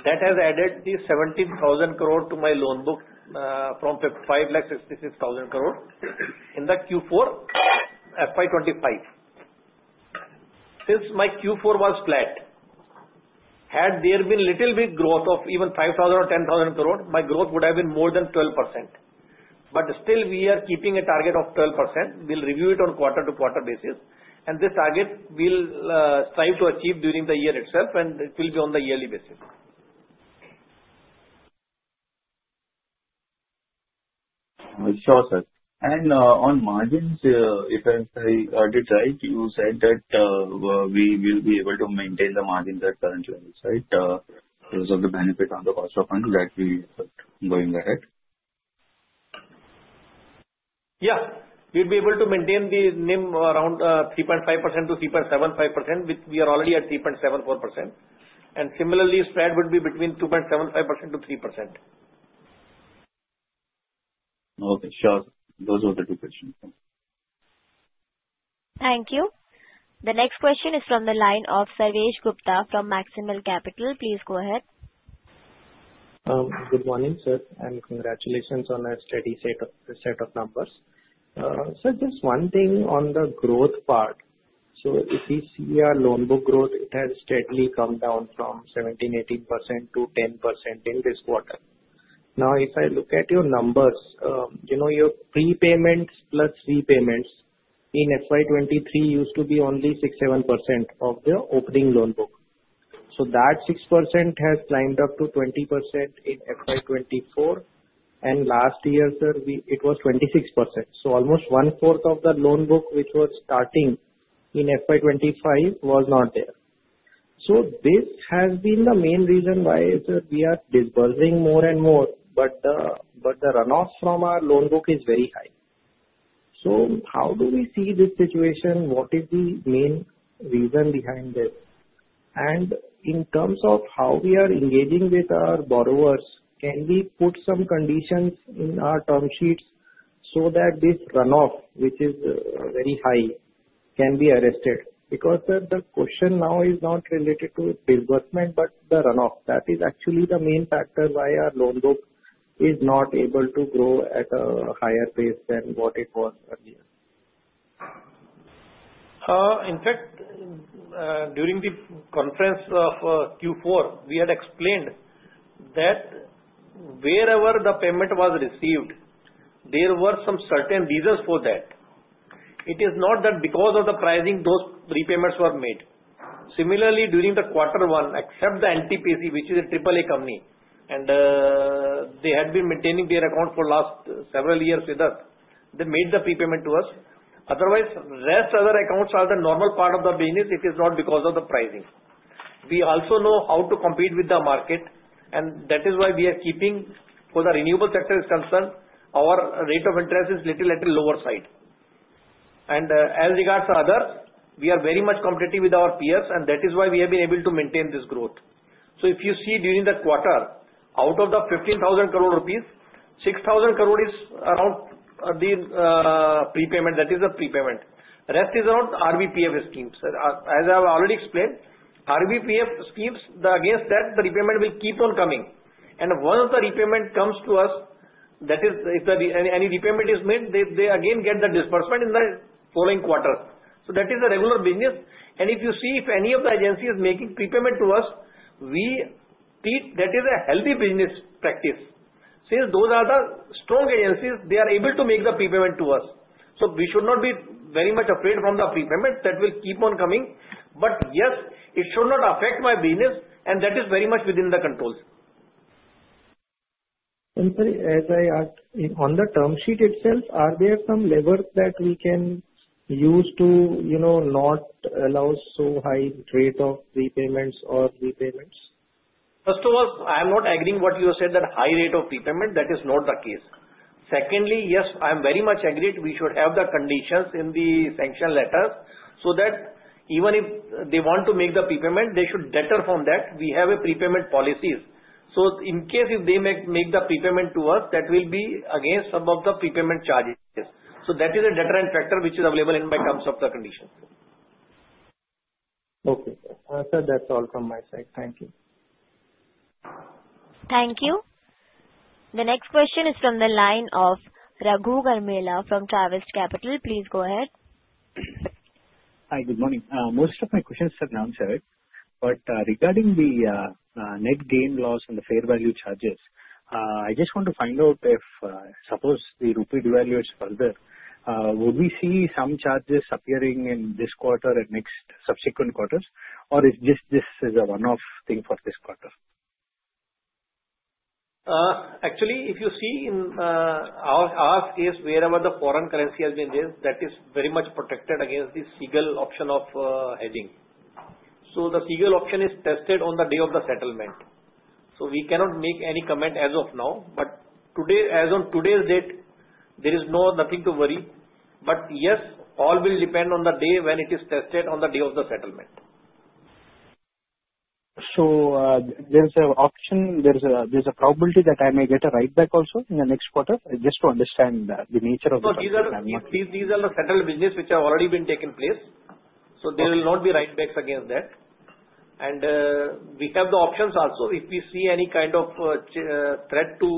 [SPEAKER 3] that has added the 17,000 crore to my loan book from 566,000 crore in the Q4 FY25. Since my Q4 was flat, had there been a little bit growth of even 5,000 or 10,000 crore, my growth would have been more than 12%. But still, we are keeping a target of 12%. We'll review it on quarter-to-quarter basis, and this target we'll strive to achieve during the year itself, and it will be on the yearly basis.
[SPEAKER 12] Sure, sir. And on margins, if I did right, you said that we will be able to maintain the margins at current levels, right? Because of the benefit on the cost of funds that we are going ahead.
[SPEAKER 3] Yeah, we'll be able to maintain the NIM around 3.5%-3.75%, which we are already at 3.74%. And similarly, spread would be between 2.75%-3%.
[SPEAKER 12] Okay, sure. Those were the two questions.
[SPEAKER 1] Thank you. The next question is from the line of Sarvesh Gupta from Maximal Capital. Please go ahead.
[SPEAKER 13] Good morning, sir, and congratulations on a steady set of numbers. Sir, just one thing on the growth part. So if we see our loan book growth, it has steadily come down from 17%-18% to 10% in this quarter. Now, if I look at your numbers, your prepayments plus repayments in FY23 used to be only 6%-7% of the opening loan book. So that 6% has climbed up to 20% in FY24, and last year, sir, it was 26%. So almost one-fourth of the loan book, which was starting in FY25, was not there. So this has been the main reason why, sir, we are disbursing more and more, but the runoff from our loan book is very high. So how do we see this situation? What is the main reason behind this? And in terms of how we are engaging with our borrowers, can we put some conditions in our term sheets so that this runoff, which is very high, can be arrested? Because the question now is not related to disbursement, but the runoff. That is actually the main factor why our loan book is not able to grow at a higher pace than what it was earlier.
[SPEAKER 4] In fact, during the conference of Q4, we had explained that wherever the payment was received, there were some certain reasons for that. It is not that because of the pricing, those repayments were made. Similarly, during the quarter one, except the NTPC, which is a AAA company, and they had been maintaining their account for the last several years with us, they made the prepayment to us. Otherwise, the rest of the accounts are the normal part of the business. It is not because of the pricing. We also know how to compete with the market, and that is why we are keeping, for the renewable sector is concerned, our rate of interest is a little at the lower side. And as regards to others, we are very much competitive with our peers, and that is why we have been able to maintain this growth. So if you see during the quarter, out of the 15,000 crore rupees, 6,000 crore is around the prepayment. That is the prepayment. The rest is around RBPF schemes. As I have already explained, RBPF schemes, against that, the repayment will keep on coming. And once the repayment comes to us, that is, if any repayment is made, they again get the disbursement in the following quarters. So that is the regular business. And if you see if any of the agencies are making prepayment to us, we treat that as a healthy business practice. Since those are the strong agencies, they are able to make the prepayment to us. So we should not be very much afraid from the prepayment that will keep on coming. But yes, it should not affect my business, and that is very much within the controls.
[SPEAKER 13] As I asked, on the term sheet itself, are there some levers that we can use to not allow so high rate of repayments or repayments?
[SPEAKER 4] First of all, I am not agreeing with what you said, that high rate of repayment. That is not the case. Secondly, yes, I am very much agreed. We should have the conditions in the sanction letters so that even if they want to make the prepayment, they should deter from that. We have prepayment policies. So in case if they make the prepayment to us, that will be against some of the prepayment charges. So that is a deterrent factor, which is available in my terms of the conditions.
[SPEAKER 13] Okay, sir. That's all from my side. Thank you.
[SPEAKER 1] Thank you. The next question is from the line of Raghu Garmela from Travers Capital. Please go ahead. Hi, good morning. Most of my questions have been answered. But regarding the net gain loss and the fair value charges, I just want to find out if, suppose the Rupee devaluation is further, would we see some charges appearing in this quarter and next subsequent quarters, or is this just a one-off thing for this quarter?
[SPEAKER 3] Actually, if you see in our case, wherever the foreign currency has been raised, that is very much protected against the Seagull option of hedging. So the Seagull option is tested on the day of the settlement. So we cannot make any comment as of now. But as of today's date, there is nothing to worry. But yes, all will depend on the day when it is tested on the day of the settlement. So there is an option. There is a probability that I may get a rebate also in the next quarter, just to understand the nature of the problem. These are the settled businesses which have already been taking place. So there will not be write-backs against that. And we have the options also. If we see any kind of threat to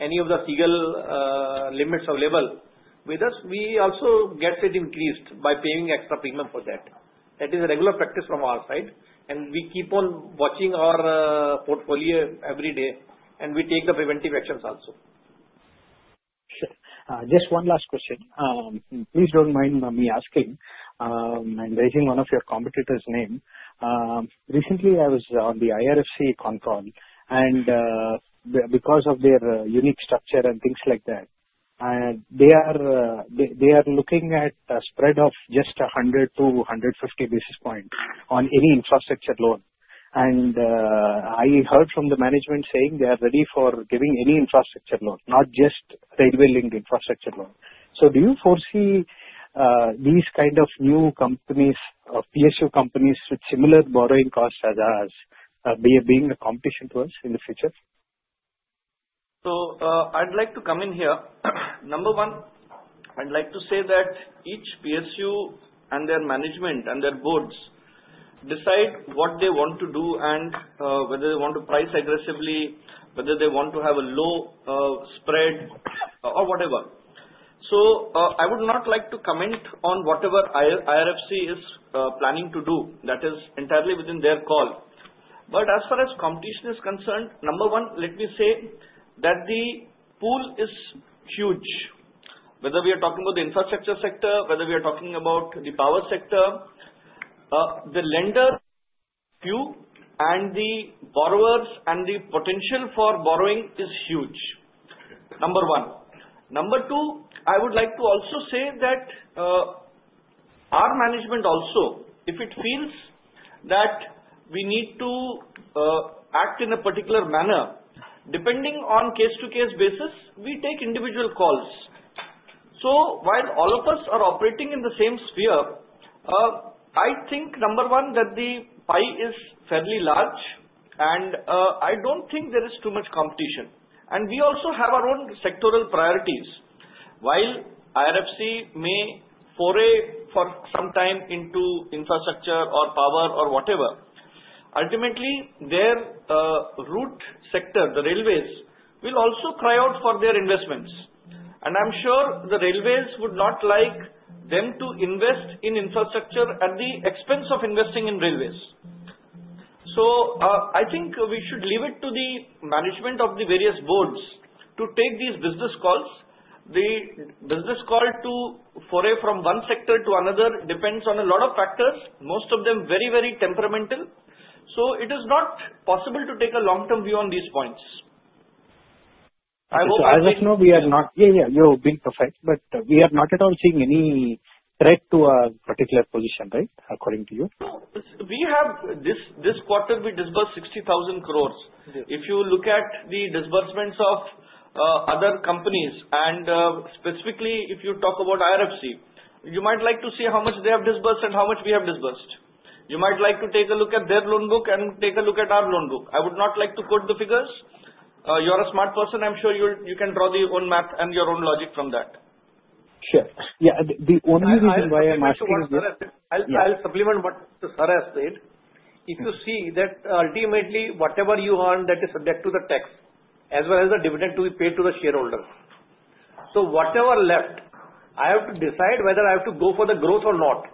[SPEAKER 3] any of the seagull limits available with us, we also get it increased by paying extra premium for that. That is a regular practice from our side. And we keep on watching our portfolio every day, and we take the preventive actions also. Just one last question. Please don't mind me asking and raising one of your competitors' names. Recently, I was on the IRFC con-call, and because of their unique structure and things like that, they are looking at a spread of just 100 basis points-150 basis points on any infrastructure loan. And I heard from the management saying they are ready for giving any infrastructure loan, not just railway-linked infrastructure loan. So do you foresee these kinds of new companies, PSU companies with similar borrowing costs as ours, being a competition to us in the future? So I'd like to come in here. Number one, I'd like to say that each PSU and their management and their boards decide what they want to do and whether they want to price aggressively, whether they want to have a low spread or whatever. So I would not like to comment on whatever IRFC is planning to do. That is entirely within their call. But as far as competition is concerned, number one, let me say that the pool is huge. Whether we are talking about the infrastructure sector, whether we are talking about the power sector, the lender queue and the borrowers and the potential for borrowing is huge. Number one. Number two, I would like to also say that our management also, if it feels that we need to act in a particular manner, depending on case-to-case basis, we take individual calls. So while all of us are operating in the same sphere, I think, number one, that the pie is fairly large, and I don't think there is too much competition. And we also have our own sectoral priorities. While IRFC may foray for some time into infrastructure or power or whatever, ultimately, their root sector, the railways, will also cry out for their investments. And I'm sure the railways would not like them to invest in infrastructure at the expense of investing in railways. So I think we should leave it to the management of the various boards to take these business calls. The business call to foray from one sector to another depends on a lot of factors, most of them very, very temperamental. So it is not possible to take a long-term view on these points. I hope you just know we are not. Yeah, you've been perfect, but we are not at all seeing any threat to a particular position, right, according to you? No. This quarter, we disbursed 60,000 crores. If you look at the disbursements of other companies, and specifically, if you talk about IRFC, you might like to see how much they have disbursed and how much we have disbursed. You might like to take a look at their loan book and take a look at our loan book. I would not like to quote the figures. You're a smart person. I'm sure you can do your own math and your own logic from that. Sure. Yeah. The only reason why I'm asking is that?
[SPEAKER 4] I'll supplement what Sir has said. If you see that ultimately, whatever you earn, that is subject to the tax, as well as the dividend to be paid to the shareholders. So whatever left, I have to decide whether I have to go for the growth or not.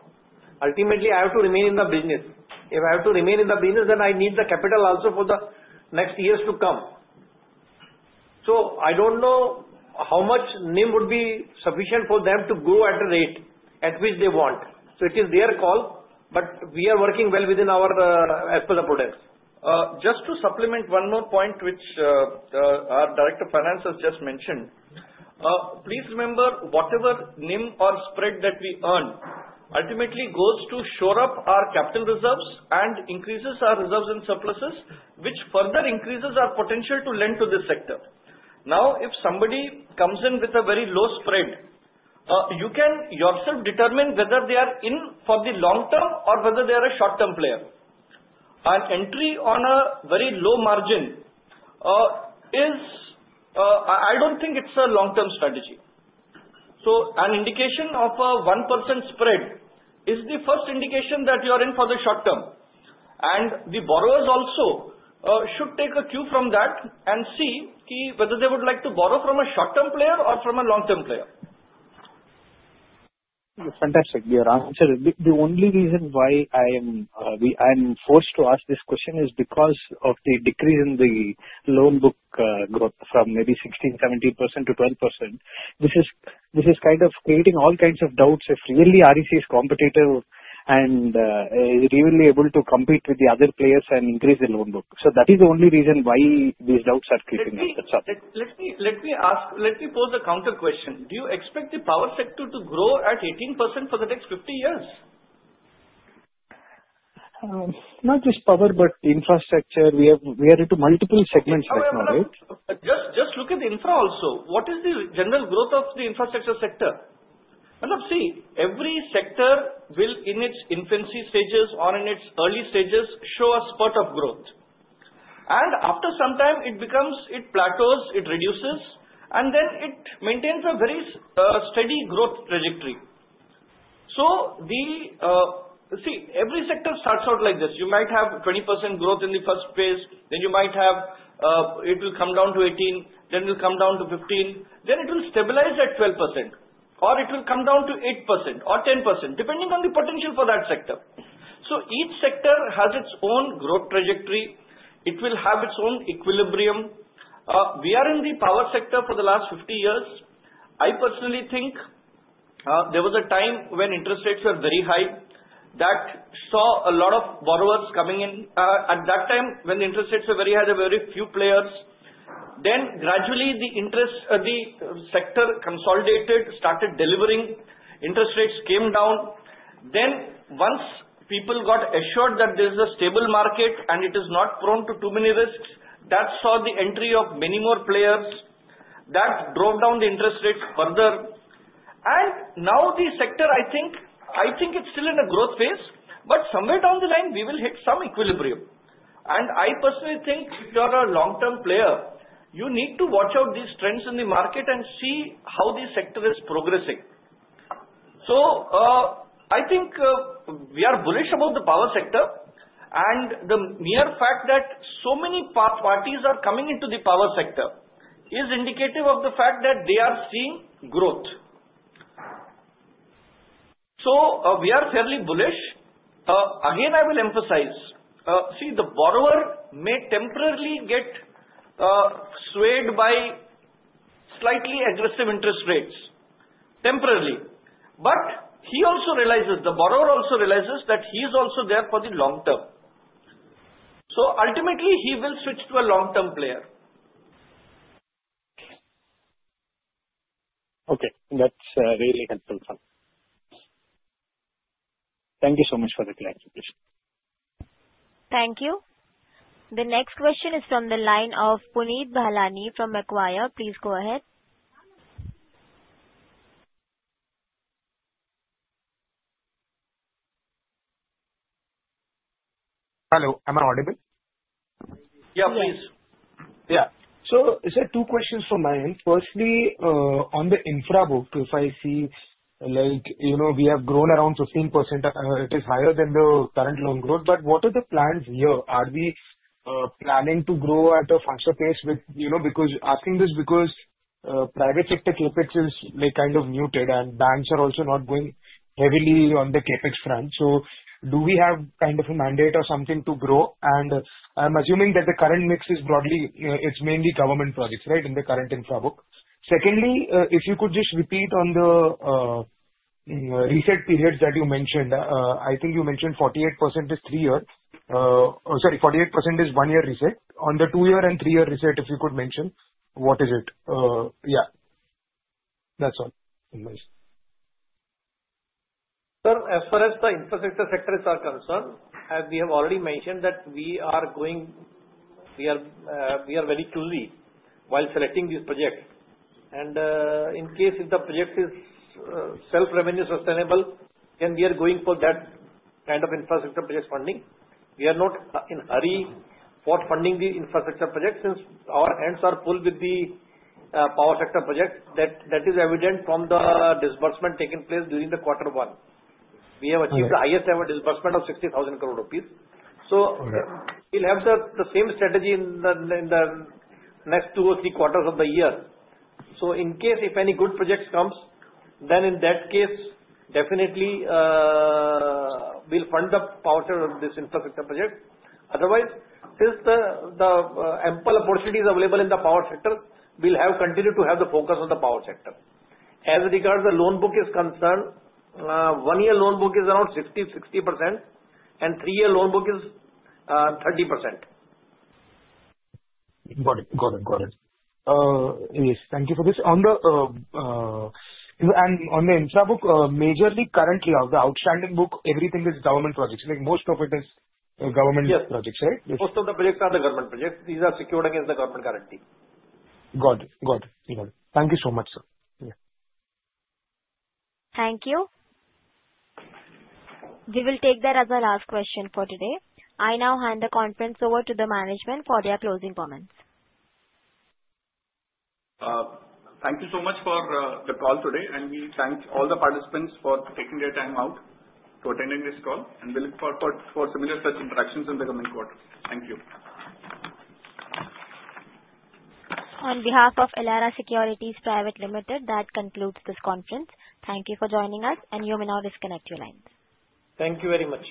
[SPEAKER 4] Ultimately, I have to remain in the business. If I have to remain in the business, then I need the capital also for the next years to come. So I don't know how much NIM would be sufficient for them to grow at a rate at which they want. So it is their call, but we are working well within our financing products.
[SPEAKER 10] Just to supplement one more point, which our Director of Finance has just mentioned, please remember whatever NIM or spread that we earn ultimately goes to shore up our capital reserves and increases our reserves and surpluses, which further increases our potential to lend to this sector. Now, if somebody comes in with a very low spread, you can yourself determine whether they are in for the long term or whether they are a short-term player. An entry on a very low margin is, I don't think, it's a long-term strategy. So an indication of a 1% spread is the first indication that you are in for the short term. And the borrowers also should take a cue from that and see whether they would like to borrow from a short-term player or from a long-term player. Fantastic. Your answer. The only reason why I'm forced to ask this question is because of the decrease in the loan book growth from maybe 16%-17%-12%. This is kind of creating all kinds of doubts if really REC is competitive and is really able to compete with the other players and increase the loan book. So that is the only reason why these doubts are creeping up? Let me ask. Let me pose a counter question. Do you expect the power sector to grow at 18% for the next 50 years? Not just power, but infrastructure. We are into multiple segments right now, right? Just look at the infra also. What is the general growth of the infrastructure sector? See, every sector will, in its infancy stages or in its early stages, show a spurt of growth. And after some time, it plateaus, it reduces, and then it maintains a very steady growth trajectory. So see, every sector starts out like this. You might have 20% growth in the first phase. Then you might have it will come down to 18%, then it will come down to 15%, then it will stabilize at 12%, or it will come down to 8% or 10%, depending on the potential for that sector. So each sector has its own growth trajectory. It will have its own equilibrium. We are in the power sector for the last 50 years. I personally think there was a time when interest rates were very high that saw a lot of borrowers coming in. At that time, when the interest rates were very high, there were very few players. Then gradually, the sector consolidated, started delivering. Interest rates came down. Then once people got assured that this is a stable market and it is not prone to too many risks, that saw the entry of many more players. That drove down the interest rates further. And now the sector, I think, I think it's still in a growth phase, but somewhere down the line, we will hit some equilibrium. And I personally think if you are a long-term player, you need to watch out these trends in the market and see how the sector is progressing. So I think we are bullish about the power sector. And the mere fact that so many parties are coming into the power sector is indicative of the fact that they are seeing growth. So we are fairly bullish. Again, I will emphasize, see, the borrower may temporarily get swayed by slightly aggressive interest rates, temporarily. But he also realizes, the borrower also realizes that he is also there for the long term. So ultimately, he will switch to a long-term player. Okay. That's really helpful. Thank you so much for the clarification.
[SPEAKER 1] Thank you. The next question is from the line of Puneet Bahlani from Macquarie. Please go ahead.
[SPEAKER 14] Hello. Am I audible?
[SPEAKER 4] Yeah, please.
[SPEAKER 14] Yeah. So I said two questions from my end. Firstly, on the infra book, if I see we have grown around 15%. It is higher than the current loan growth. But what are the plans here? Are we planning to grow at a faster pace, because I'm asking this because private sector CapEx is kind of muted, and banks are also not going heavily on the CapEx front. So do we have kind of a mandate or something to grow? And I'm assuming that the current mix is broadly, it's mainly government projects, right, in the current infra book. Secondly, if you could just repeat on the reset periods that you mentioned, I think you mentioned 48% is three-year. Sorry, 48% is one-year reset. On the two-year and three-year reset, if you could mention, what is it? Yeah. That's all.
[SPEAKER 4] Sir, as far as the infrastructure sectors are concerned, as we have already mentioned that we are going, we are very choosy while selecting these projects. And in case if the project is self-revenue sustainable, then we are going for that kind of infrastructure project funding. We are not in a hurry for funding the infrastructure projects since our hands are full with the power sector projects. That is evident from the disbursement taken place during the quarter one. We have achieved the highest-ever disbursement of 60,000 crore rupees. So we'll have the same strategy in the next two or three quarters of the year. So in case if any good projects come, then in that case, definitely, we'll fund the power sector of this infrastructure project. Otherwise, since the ample opportunities available in the power sector, we'll continue to have the focus on the power sector. As regards the loan book is concerned, one-year loan book is around 60%, and three-year loan book is 30%.
[SPEAKER 14] Got it. Got it. Got it. Yes. Thank you for this. And on the infra book, majorly currently, of the outstanding book, everything is government projects. Most of it is government projects, right?
[SPEAKER 4] Yes. Most of the projects are the government projects. These are secured against the government guarantee. Got it. Got it. Got it. Thank you so much, sir. Yeah.
[SPEAKER 1] Thank you. We will take that as our last question for today. I now hand the conference over to the management for their closing comments.
[SPEAKER 4] Thank you so much for the call today. And we thank all the participants for taking their time out to attend this call. And we look forward to similar such interactions in the coming quarter. Thank you.
[SPEAKER 1] On behalf of Elara Securities Private Limited, that concludes this conference. Thank you for joining us, and you may now disconnect your lines.
[SPEAKER 4] Thank you very much.